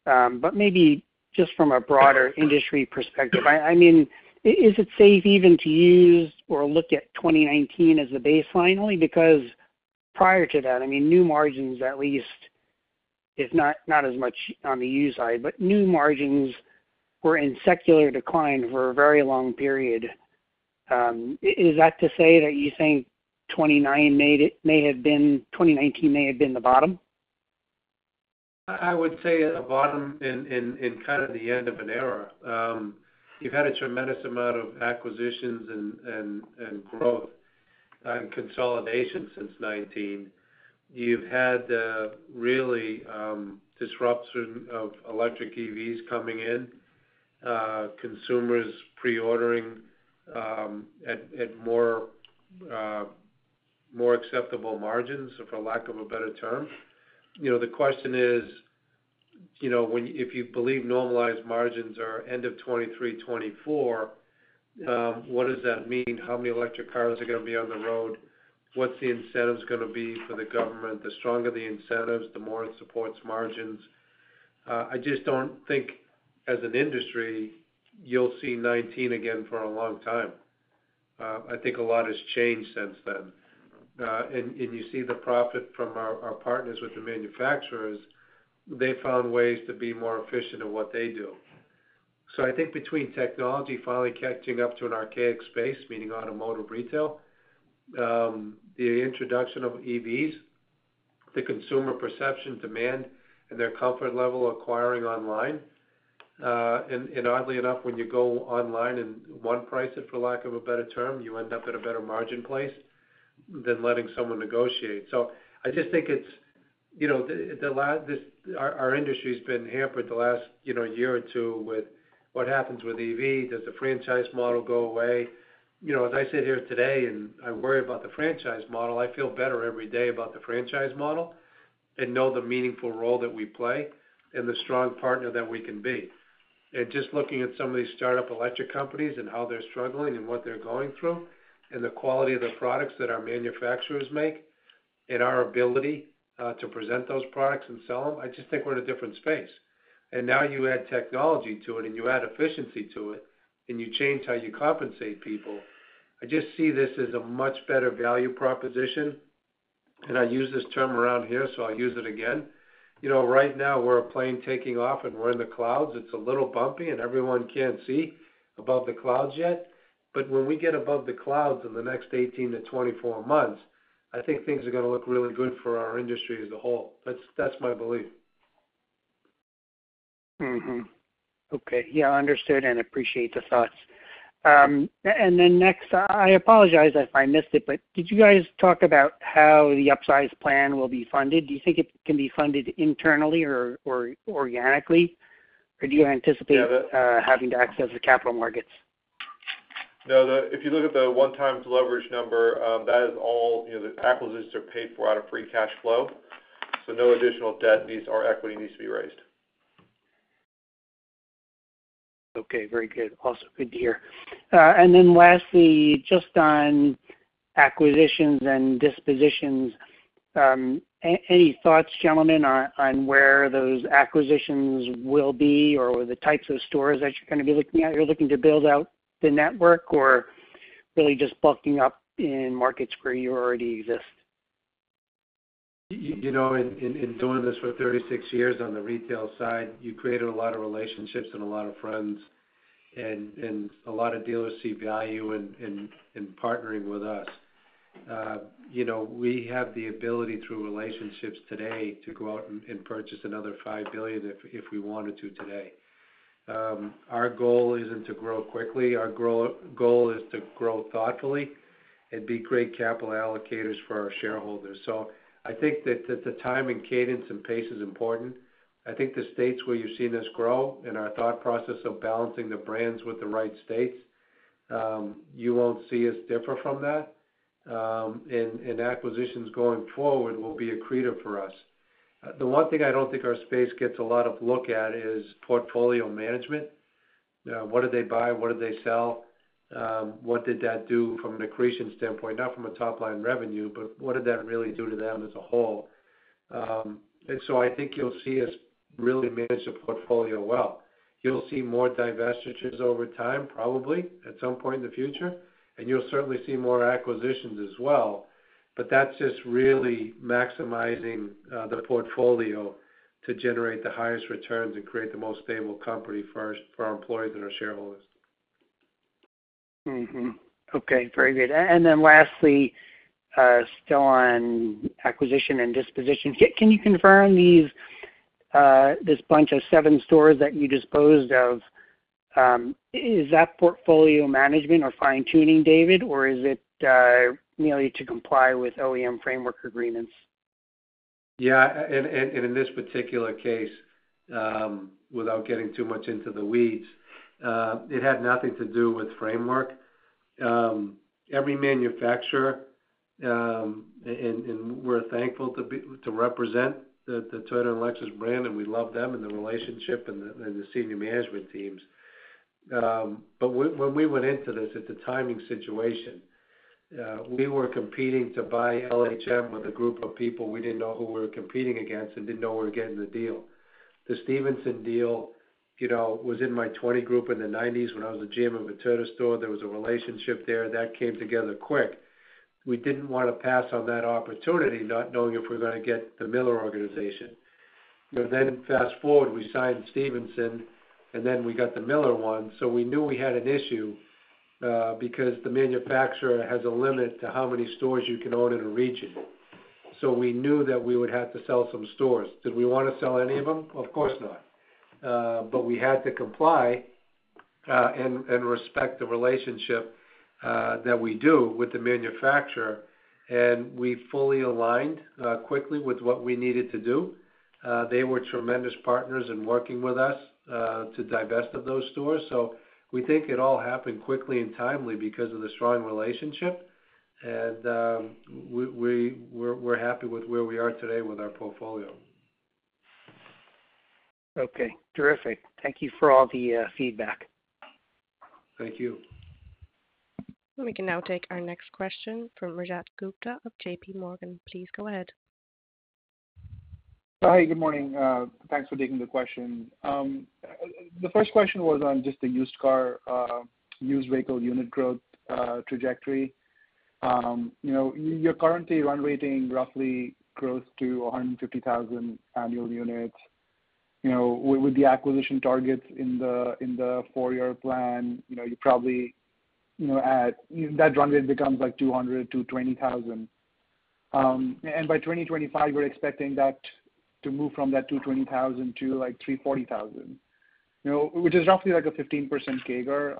but maybe just from a broader industry perspective. I mean, is it safe even to use or look at 2019 as the baseline only because prior to that, I mean, new margins at least, if not as much on the used side, but new margins were in secular decline for a very long period. Is that to say that you think 2019 may have been the bottom? I would say a bottom in kind of the end of an era. You've had a tremendous amount of acquisitions and growth and consolidation since 2019. You've had the real disruption of electric EVs coming in, consumers pre-ordering at more acceptable margins, for lack of a better term. You know, the question is, you know, if you believe normalized margins are end of 2023, 2024, what does that mean? How many electric cars are gonna be on the road? What's the incentives gonna be for the government? The stronger the incentives, the more it supports margins. I just don't think as an industry, you'll see 2019 again for a long time. I think a lot has changed since then. You see the profit from our partners with the manufacturers. They found ways to be more efficient in what they do. I think between technology finally catching up to an archaic space, meaning automotive retail, the introduction of EVs, the consumer perception, demand, and their comfort level acquiring online, and oddly enough, when you go online and one price it, for lack of a better term, you end up at a better margin place than letting someone negotiate. I just think it's, you know, our industry's been hampered the last, you know, year or two with what happens with EV. Does the franchise model go away? You know, as I sit here today and I worry about the franchise model, I feel better every day about the franchise model and know the meaningful role that we play and the strong partner that we can be. Just looking at some of these startup electric companies and how they're struggling and what they're going through and the quality of the products that our manufacturers make and our ability to present those products and sell them, I just think we're in a different space. Now you add technology to it, and you add efficiency to it, and you change how you compensate people. I just see this as a much better value proposition, and I use this term around here, so I'll use it again. You know, right now we're a plane taking off, and we're in the clouds. It's a little bumpy, and everyone can't see above the clouds yet. When we get above the clouds in the next 18-24 months, I think things are gonna look really good for our industry as a whole. That's my belief. Okay. Yeah, understood and appreciate the thoughts. Then next, I apologize if I missed it, but did you guys talk about how the upsized plan will be funded? Do you think it can be funded internally or organically, or do you anticipate- No. having to access the capital markets? No, if you look at the one times leverage number, that is all, you know, the acquisitions are paid for out of free cash flow, so no additional debt needs or equity needs to be raised. Okay. Very good. Also good to hear. Lastly, just on acquisitions and dispositions, any thoughts, gentlemen, on where those acquisitions will be or the types of stores that you're gonna be looking at? You're looking to build out the network or really just bulking up in markets where you already exist. You know, in doing this for 36 years on the retail side, you create a lot of relationships and a lot of friends and a lot of dealers see value in partnering with us. You know, we have the ability through relationships today to go out and purchase another $5 billion if we wanted to today. Our goal isn't to grow quickly. Our goal is to grow thoughtfully and be great capital allocators for our shareholders. I think that the timing, cadence, and pace is important. I think the states where you've seen us grow and our thought process of balancing the brands with the right states, you won't see us differ from that. Acquisitions going forward will be accretive for us. The one thing I don't think our space gets a lot of look at is portfolio management. What did they buy? What did they sell? What did that do from an accretion standpoint? Not from a top-line revenue, but what did that really do to them as a whole? I think you'll see us really manage the portfolio well. You'll see more divestitures over time, probably at some point in the future, and you'll certainly see more acquisitions as well. That's just really maximizing the portfolio to generate the highest returns and create the most stable company for our employees and our shareholders. Mm-hmm. Okay, very good. Lastly, still on acquisition and disposition. Can you confirm these, this bunch of seven stores that you disposed of, is that portfolio management or fine-tuning, David? Or is it merely to comply with OEM framework agreements? Yeah. In this particular case, without getting too much into the weeds, it had nothing to do with framework. Every manufacturer, and we're thankful to represent the Toyota and Lexus brand, and we love them and the relationship and the senior management teams. But when we went into this at the timing situation, we were competing to buy LHM with a group of people we didn't know who we were competing against and didn't know we were getting the deal. The Stevinson deal, you know, was in my 20 group in the 1990s when I was a GM of a Toyota store. There was a relationship there that came together quick. We didn't want to pass on that opportunity not knowing if we were gonna get the Miller organization. Fast forward, we signed Stevinson, and then we got the Larry H. Miller one. We knew we had an issue because the manufacturer has a limit to how many stores you can own in a region. We knew that we would have to sell some stores. Did we want to sell any of them? Of course not. We had to comply and respect the relationship that we do with the manufacturer, and we fully aligned quickly with what we needed to do. They were tremendous partners in working with us to divest of those stores. We think it all happened quickly and timely because of the strong relationship. We're happy with where we are today with our portfolio. Okay. Terrific. Thank you for all the feedback. Thank you. We can now take our next question from Rajat Gupta of JPMorgan. Please go ahead. Hi, good morning. Thanks for taking the question. The first question was on just the used vehicle unit growth trajectory. You know, you're currently run rating roughly growth to 150,000 annual units. You know, with the acquisition targets in the four-year plan, you know, that run rate becomes like 220,000. By 2025, we're expecting that to move from that 220,000 to, like, 340,000. You know, which is roughly like a 15% CAGR.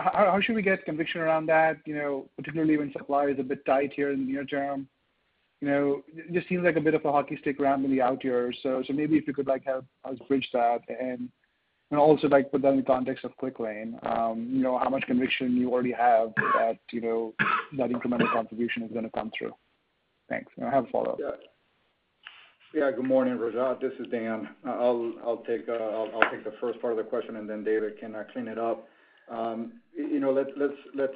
How should we get conviction around that? You know, particularly when supply is a bit tight here in the near term. You know, it just seems like a bit of a hockey stick in the out years. Maybe if you could, like, help us bridge that and also, like, put that in context of Clicklane, you know, how much conviction you already have that, you know, that incremental contribution is going to come through. Thanks. I have a follow-up. Yeah. Good morning, Rajat. This is Dan. I'll take the first part of the question and then David can clean it up. You know, let's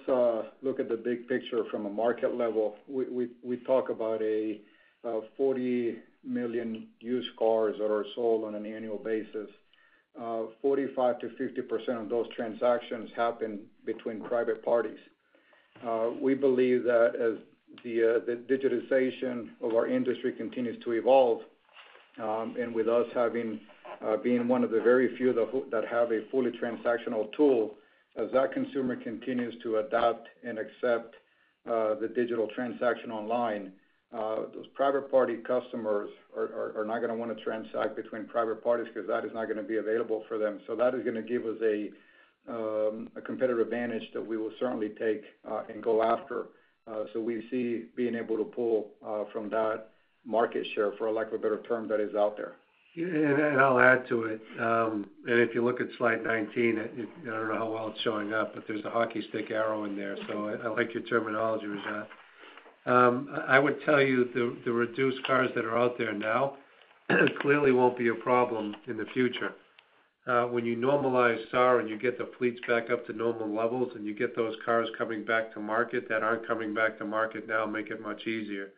look at the big picture from a market level. We talk about 40 million used cars that are sold on an annual basis. 45%-50% of those transactions happen between private parties. We believe that as the digitization of our industry continues to evolve, and with us being one of the very few that have a fully transactional tool, as that consumer continues to adopt and accept the digital transaction online, those private party customers are not going to want to transact between private parties because that is not going to be available for them. That is going to give us a competitive advantage that we will certainly take and go after. We see being able to pull from that market share for a lack of a better term that is out there. I'll add to it. If you look at slide 19, I don't know how well it's showing up, but there's a hockey stick arrow in there. I like your terminology, Rajat. I would tell you the reduced cars that are out there now clearly won't be a problem in the future. When you normalize SAR and you get the fleets back up to normal levels and you get those cars coming back to market that aren't coming back to market now, make it much easier.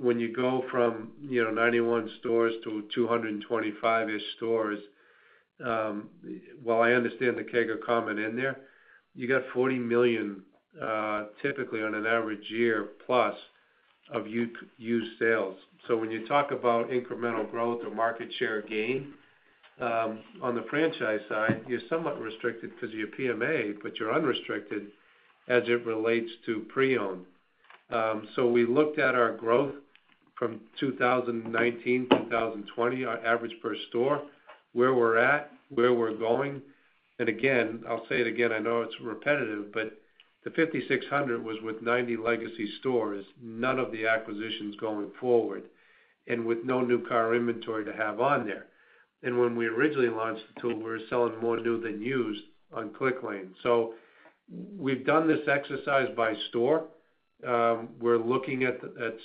When you go from, you know, 91 stores to 225-ish stores, while I understand the CAGR comment in there, you got $40 million typically on an average year plus of used sales. So, when you talk about incremental growth or market share gain, on the franchise side, you're somewhat restricted because of your PMA, but you're unrestricted as it relates to pre-owned. So, we looked at our growth from 2019 to 2020, our average per store, where we're at, where we're going. Again, I'll say it again, I know it's repetitive, but the 5,600 was with 90 legacy stores, none of the acquisitions going forward, and with no new car inventory to have on there. When we originally launched the tool, we were selling newer than used on Clicklane. We've done this exercise by store. We're looking at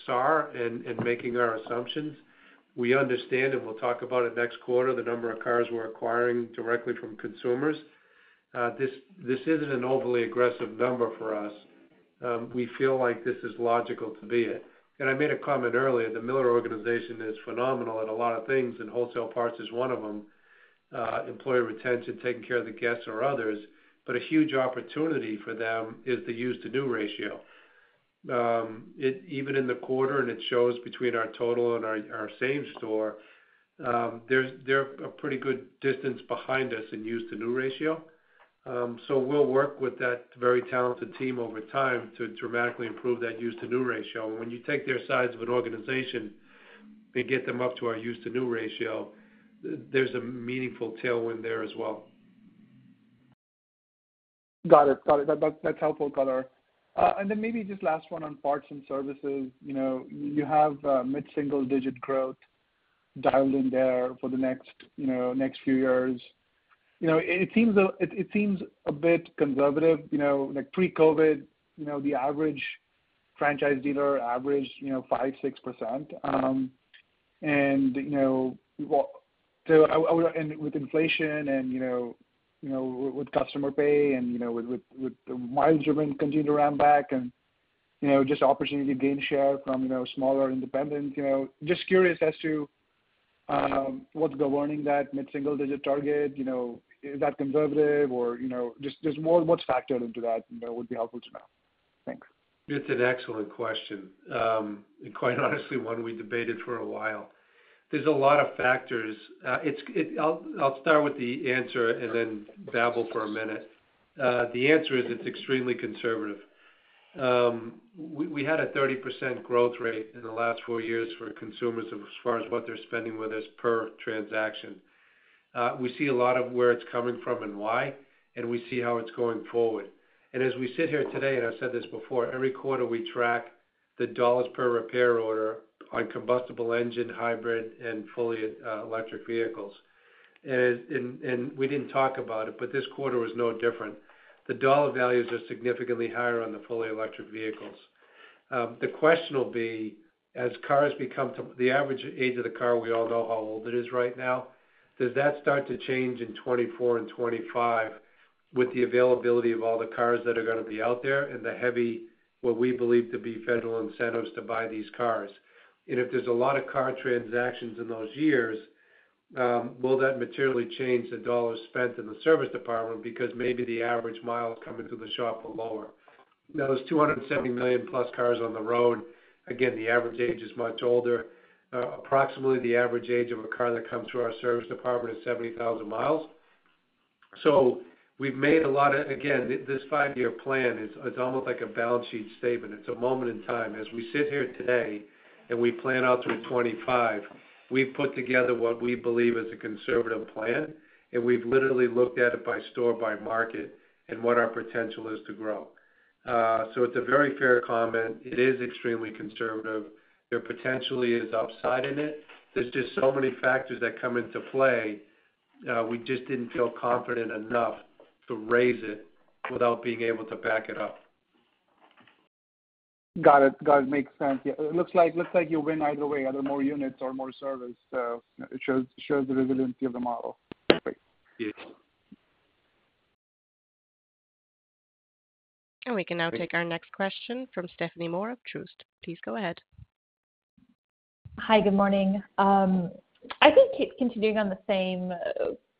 SAR and making our assumptions. We understand, and we'll talk about it next quarter, the number of cars we're acquiring directly from consumers. This isn't an overly aggressive number for us. We feel like this is logical to be it. I made a comment earlier, the Miller organization is phenomenal at a lot of things, and wholesale parts is one of them. Employee retention, taking care of the guests or others. A huge opportunity for them is the used-to-new ratio. It even in the quarter, and it shows between our total and our same store, they're a pretty good distance behind us in used-to-new ratio. We'll work with that very talented team over time to dramatically improve that used-to-new ratio. When you take their size of an organization and get them up to our used-to-new ratio, there's a meaningful tailwind there as well. Got it. That's helpful color. Then maybe just last one on parts and services. You know, you have mid-single digit growth dialed in there for the next few years. You know, it seems a bit conservative, you know. Like pre-COVID, you know, the average franchise dealer averaged 5-6%. And with inflation and you know with customer pay and you know with miles driven continue to ramp back and you know just opportunity to gain share from you know smaller independents, you know. Just curious as to what's governing that mid-single digit target, you know? Is that conservative or you know? Just what's factored into that, you know, would be helpful to know. Thanks. It's an excellent question. Quite honestly, one we debated for a while. There's a lot of factors. I'll start with the answer and then babble for a minute. The answer is it's extremely conservative. We had a 30% growth rate in the last four years for consumers as far as what they're spending with us per transaction. We see a lot of where it's coming from and why, and we see how it's going forward. As we sit here today, and I've said this before, every quarter we track the dollars per repair order on combustion engine, hybrid, and fully electric vehicles. We didn't talk about it, but this quarter was no different. The dollar values are significantly higher on the fully electric vehicles. The question will be, as cars become to. The average age of the car, we all know how old it is right now. Does that start to change in 2024 and 2025 with the availability of all the cars that are gonna be out there and the heavy, what we believe to be federal incentives to buy these cars? If there's a lot of car transactions in those years, will that materially change the dollars spent in the service department because maybe the average miles coming to the shop are lower? Now, there's 270 million+ cars on the road. Again, the average age is much older. Approximately the average age of a car that comes through our service department is 70,000 miles. Again, this five-year plan is almost like a balance sheet statement. It's a moment in time. As we sit here today and we plan out through 2025, we've put together what we believe is a conservative plan, and we've literally looked at it by store, by market, and what our potential is to grow. It's a very fair comment. It is extremely conservative. There potentially is upside in it. There's just so many factors that come into play, we just didn't feel confident enough to raise it without being able to back it up. Got it. Makes sense. Yeah, it looks like you win either way, either more units or more service. It shows the resiliency of the model. Great. Yes. We can now take our next question from Stephanie Moore of Truist. Please go ahead. Hi, good morning. I think continuing on the same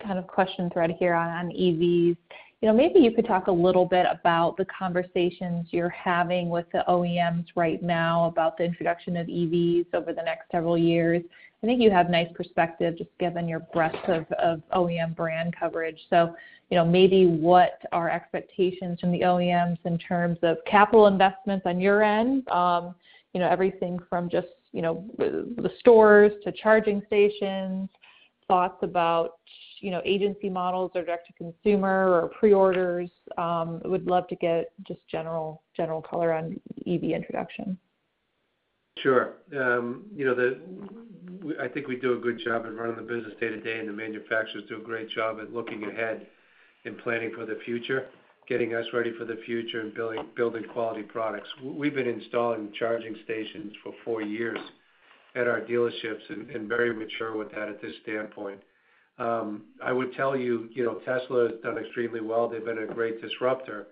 kind of question thread here on EVs, you know, maybe you could talk a little bit about the conversations you're having with the OEMs right now about the introduction of EVs over the next several years. I think you have nice perspective just given your breadth of OEM brand coverage. You know, maybe what are expectations from the OEMs in terms of capital investments on your end? You know, everything from just, you know, the stores to charging stations, thoughts about, you know, agency models or direct to consumer or pre-orders. Would love to get just general color on EV introduction. Sure. You know, I think we do a good job in running the business day-to-day, and the manufacturers do a great job at looking ahead and planning for the future, getting us ready for the future and building quality products. We've been installing charging stations for four years at our dealerships and very mature with that at this standpoint. I would tell you know, Tesla has done extremely well. They've been a great disruptor.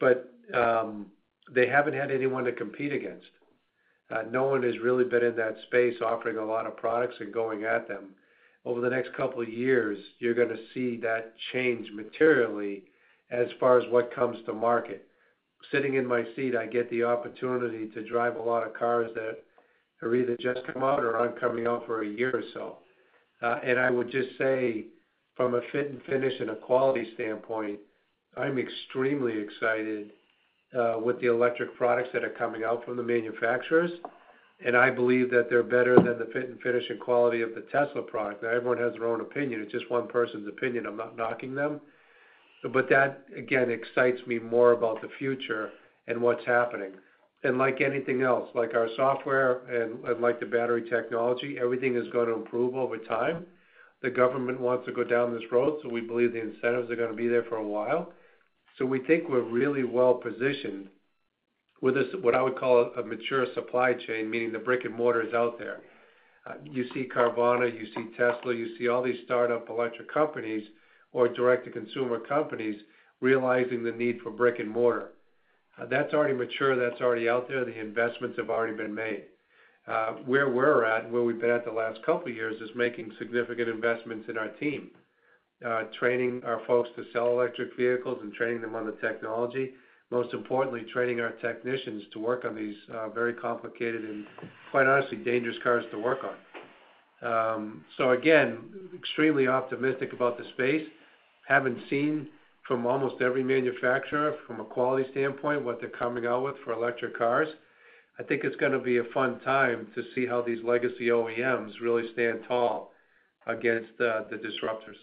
They haven't had anyone to compete against. No one has really been in that space offering a lot of products and going at them. Over the next couple of years, you're gonna see that change materially as far as what comes to market. Sitting in my seat, I get the opportunity to drive a lot of cars that have either just come out or aren't coming out for a year or so. I would just say from a fit and finish and a quality standpoint, I'm extremely excited with the electric products that are coming out from the manufacturers, and I believe that they're better than the fit and finish and quality of the Tesla product. Now, everyone has their own opinion. It's just one person's opinion. I'm not knocking them. That, again, excites me more about the future and what's happening. Like anything else, like our software and like the battery technology, everything is gonna improve over time. The government wants to go down this road, so we believe the incentives are gonna be there for a while. We think we're really well positioned with this, what I would call a mature supply chain, meaning the brick-and-mortar is out there. You see Carvana, you see Tesla, you see all these startup electric companies or direct-to-consumer companies realizing the need for brick-and-mortar. That's already mature, that's already out there. The investments have already been made. Where we're at and where we've been at the last couple years is making significant investments in our team. Training our folks to sell electric vehicles and training them on the technology. Most importantly, training our technicians to work on these, very complicated and, quite honestly, dangerous cars to work on. Again, extremely optimistic about the space, having seen from almost every manufacturer from a quality standpoint what they're coming out with for electric cars. I think it's gonna be a fun time to see how these legacy OEMs really stand tall against the disruptors.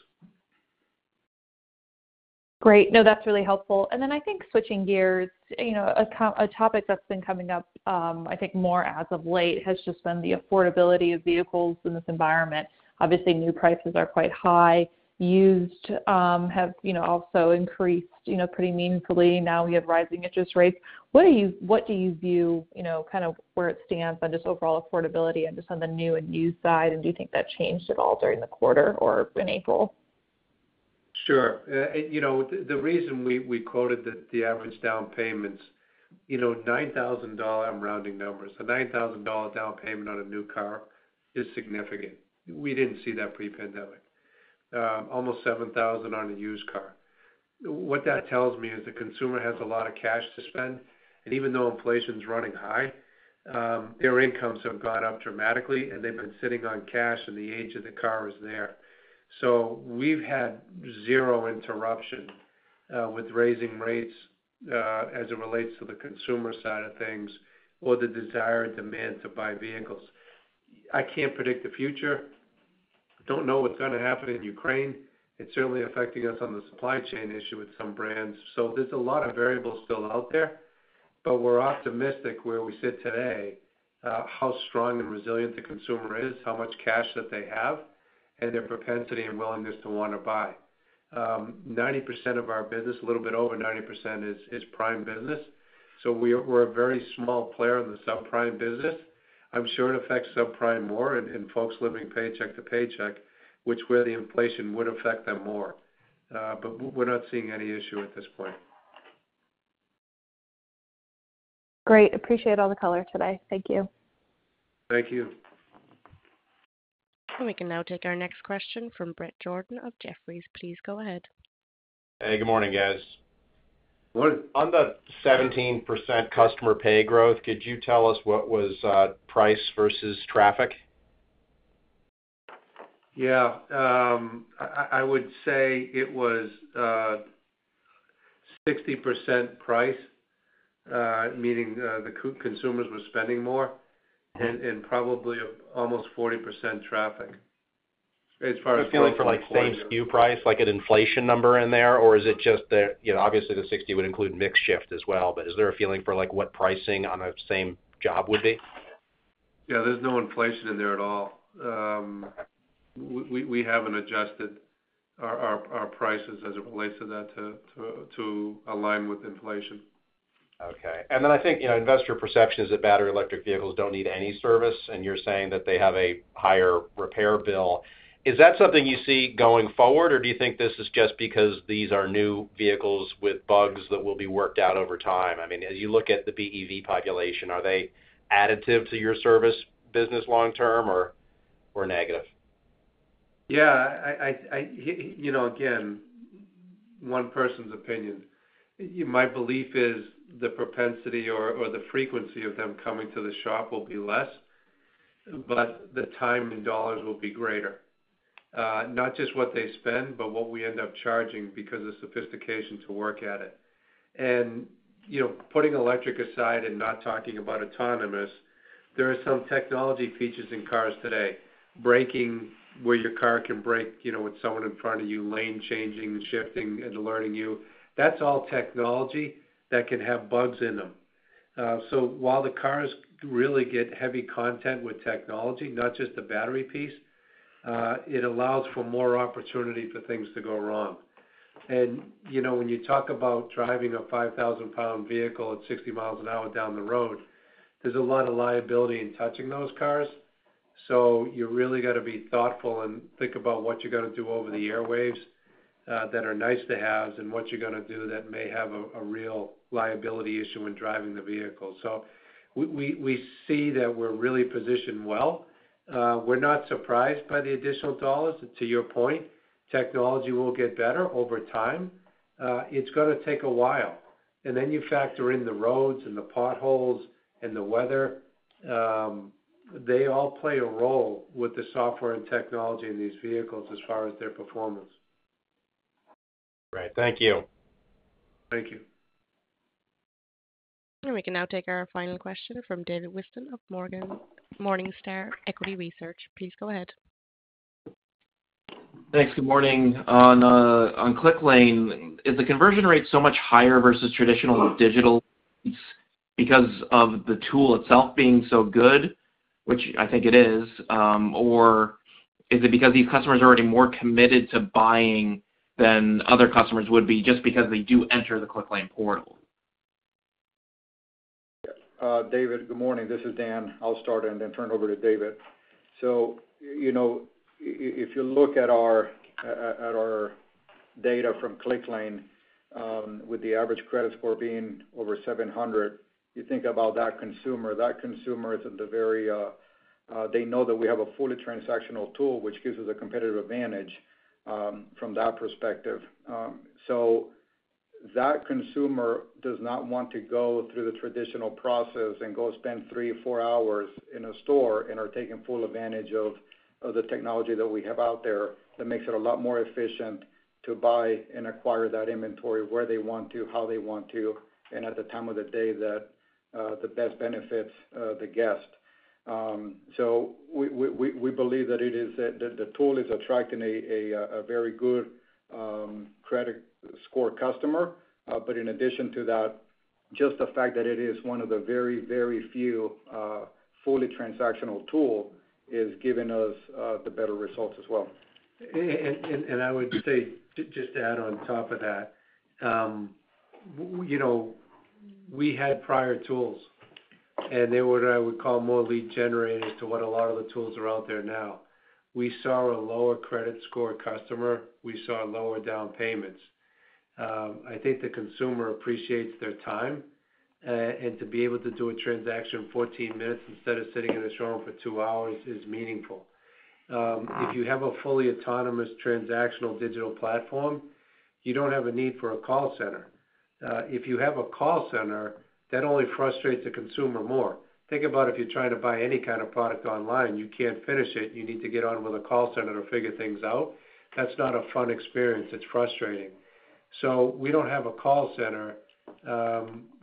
Great. No, that's really helpful. I think switching gears, you know, a topic that's been coming up, I think more as of late has just been the affordability of vehicles in this environment. Obviously, new prices are quite high. Used have, you know, also increased, you know, pretty meaningfully. Now we have rising interest rates. What do you view, you know, kind of where it stands on just overall affordability and just on the new and used side, and do you think that changed at all during the quarter or in April? Sure. You know, the reason we quoted that the average down payments, you know, $9,000 dollar, I'm rounding numbers. A $9,000 dollar down payment on a new car is significant. We didn't see that pre-pandemic. Almost $7,000 on a used car. What that tells me is the consumer has a lot of cash to spend. Even though inflation's running high, their incomes have gone up dramatically and they've been sitting on cash, and the age of the car is there. We've had zero interruption with raising rates as it relates to the consumer side of things or the desire and demand to buy vehicles. I can't predict the future. Don't know what's gonna happen in Ukraine. It's certainly affecting us on the supply chain issue with some brands. There's a lot of variables still out there, but we're optimistic where we sit today, how strong and resilient the consumer is, how much cash that they have, and their propensity and willingness to wanna buy. 90% of our business, a little bit over 90% is prime business. We're a very small player in the subprime business. I'm sure it affects subprime more and folks living paycheck to paycheck, which is where the inflation would affect them more. We're not seeing any issue at this point. Great. Appreciate all the color today. Thank you. Thank you. We can now take our next question from Bret Jordan of Jefferies. Please go ahead. Hey, good morning, guys. What on the 17% customer pay growth, could you tell us what was price versus traffic? Yeah. I would say it was 60% price, meaning the consumers were spending more, and probably almost 40% traffic as far as work per point. A feeling for like same SKU price, like an inflation number in there, or is it just the, you know, obviously the 60 would include mix shift as well, but is there a feeling for like what pricing on a same job would be? Yeah, there's no inflation in there at all. We haven't adjusted our prices as it relates to that to align with inflation. Okay. I think, you know, investor perception is that battery electric vehicles don't need any service, and you're saying that they have a higher repair bill. Is that something you see going forward, or do you think this is just because these are new vehicles with bugs that will be worked out over time? I mean, as you look at the BEV population, are they additive to your service business long term or negative? Yeah, you know, again, one person's opinion. My belief is the propensity or the frequency of them coming to the shop will be less, but the time and dollars will be greater. Not just what they spend, but what we end up charging because of sophistication to work at it. You know, putting electric aside and not talking about autonomous, there are some technology features in cars today, braking where your car can brake, you know, with someone in front of you, lane changing and shifting and alerting you. That's all technology that can have bugs in them. So while the cars really get heavy content with technology, not just the battery piece, it allows for more opportunity for things to go wrong. You know, when you talk about driving a 5,000 pound vehicle at 60 miles an hour down the road, there's a lot of liability in touching those cars. You really gotta be thoughtful and think about what you're gonna do over the airwaves that are nice to haves and what you're gonna do that may have a real liability issue when driving the vehicle. We see that we're really positioned well. We're not surprised by the additional dollars. To your point, technology will get better over time. It's gonna take a while. You factor in the roads and the potholes and the weather. They all play a role with the software and technology in these vehicles as far as their performance. Right. Thank you. Thank you. We can now take our final question from David Whiston of Morningstar Equity Research. Please go ahead. Thanks. Good morning. On Clicklane, is the conversion rate so much higher versus traditional digital because of the tool itself being so good, which I think it is, or is it because these customers are already more committed to buying than other customers would be just because they do enter the Clicklane portal? David, good morning. This is Dan. I'll start and then turn it over to David. You know, if you look at our data from Clicklane, with the average credit score being over 700, you think about that consumer. That consumer is at the very, they know that we have a fully transactional tool, which gives us a competitive advantage, from that perspective. That consumer does not want to go through the traditional process and go spend three or four hours in a store and are taking full advantage of the technology that we have out there that makes it a lot more efficient to buy and acquire that inventory where they want to, how they want to, and at the time of the day that best benefits the guest. We believe that the tool is attracting a very good credit score customer. In addition to that, just the fact that it is one of the very, very few fully transactional tools is giving us the better results as well. I would say, just to add on top of that, you know, we had prior tools, and they were what I would call more lead generators than what a lot of the tools are out there now. We saw a lower credit score customer. We saw lower down payments. I think the consumer appreciates their time, and to be able to do a transaction in 14 minutes instead of sitting in a showroom for two hours is meaningful. If you have a fully autonomous transactional digital platform, you don't have a need for a call center. If you have a call center, that only frustrates the consumer more. Think about if you're trying to buy any kind of product online, you can't finish it. You need to get on with a call center to figure things out. That's not a fun experience. It's frustrating. We don't have a call center.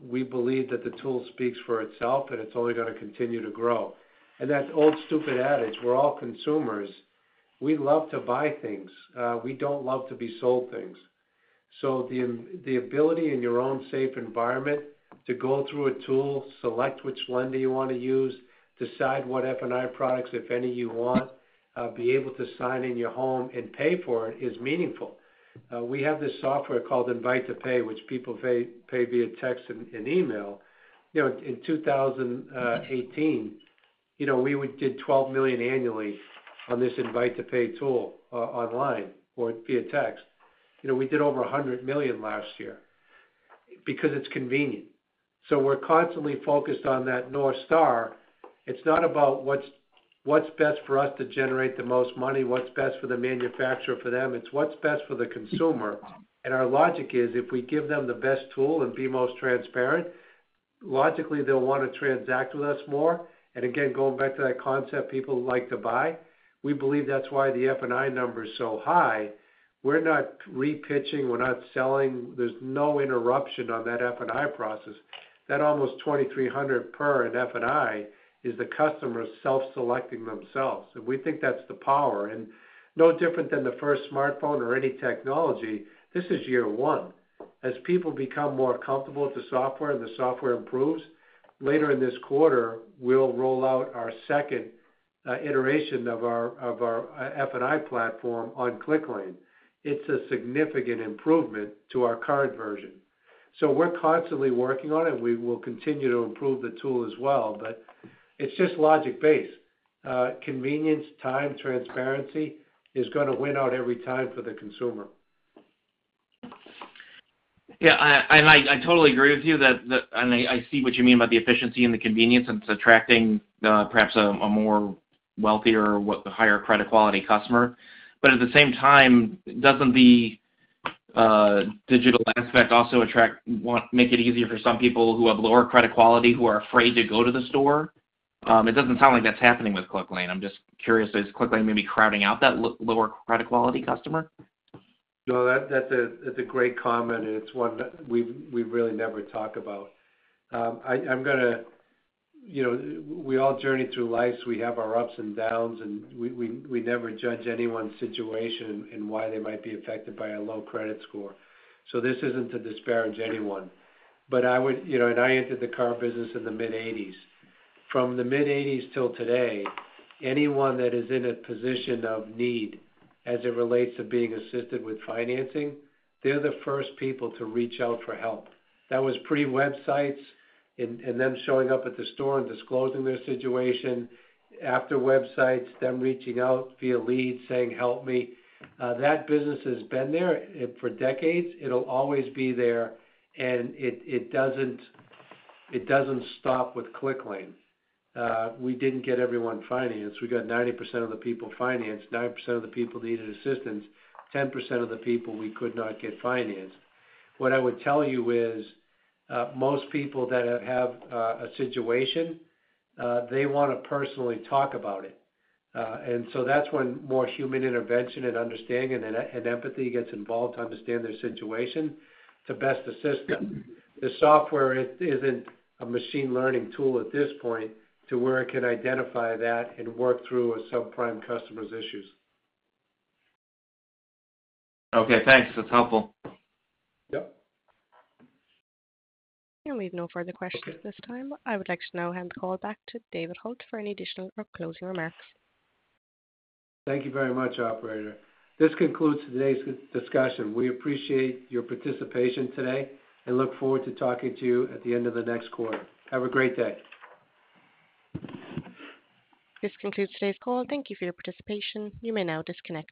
We believe that the tool speaks for itself, and it's only going to continue to grow. That old stupid adage, we're all consumers. We love to buy things. We don't love to be sold things. The ability in your own safe environment to go through a tool, select which lender you want to use, decide what F&I products, if any, you want, be able to sign in your home and pay for it is meaningful. We have this software called Invite to Pay, which people pay via text and email. In 2018, we did $12 million annually on this Invite to Pay tool online or via text. We did over $100 million last year because it's convenient. We're constantly focused on that North Star. It's not about what's best for us to generate the most money, what's best for the manufacturer for them, it's what's best for the consumer. Our logic is if we give them the best tool and be most transparent, logically, they'll want to transact with us more. Again, going back to that concept, people like to buy. We believe that's why the F&I number is so high. We're not re-pitching. We're not selling. There's no interruption on that F&I process. That almost $2,300 per F&I is the customer self-selecting themselves. We think that's the power. No different than the first smartphone or any technology, this is year one. As people become more comfortable with the software, the software improves. Later in this quarter, we'll roll out our second iteration of our F&I platform on Clicklane. It's a significant improvement to our current version. We're constantly working on it. We will continue to improve the tool as well, but it's just logic based. Convenience, time, transparency is gonna win out every time for the consumer. I totally agree with you that I see what you mean by the efficiency and the convenience, and it's attracting perhaps a more wealthier with a higher credit quality customer. At the same time, doesn't the digital aspect also make it easier for some people who have lower credit quality who are afraid to go to the store? It doesn't sound like that's happening with Clicklane. I'm just curious, is Clicklane maybe crowding out that lower credit quality customer? No, that's a great comment, and it's one that we've really never talk about. You know, we all journey through life, so we have our ups and downs, and we never judge anyone's situation and why they might be affected by a low credit score. This isn't to disparage anyone. You know, I entered the car business in the mid-1980s. From the mid-1980s till today, anyone that is in a position of need as it relates to being assisted with financing, they're the first people to reach out for help. That was pre-websites and them showing up at the store and disclosing their situation. After websites, them reaching out via leads saying, "Help me." That business has been there for decades. It'll always be there, and it doesn't stop with Clicklane. We didn't get everyone financed. We got 90% of the people financed, 9% of the people needed assistance, 10% of the people we could not get financed. What I would tell you is, most people that have a situation, they wanna personally talk about it. That's when more human intervention and understanding and empathy gets involved to understand their situation to best assist them. The software isn't a machine learning tool at this point to where it can identify that and work through a subprime customer's issues. Okay, thanks. That's helpful. Yep. There are no further questions at this time. I would like to now hand the call back to David Hult for any additional or closing remarks. Thank you very much, operator. This concludes today's discussion. We appreciate your participation today and look forward to talking to you at the end of the next quarter. Have a great day. This concludes today's call. Thank you for your participation. You may now disconnect.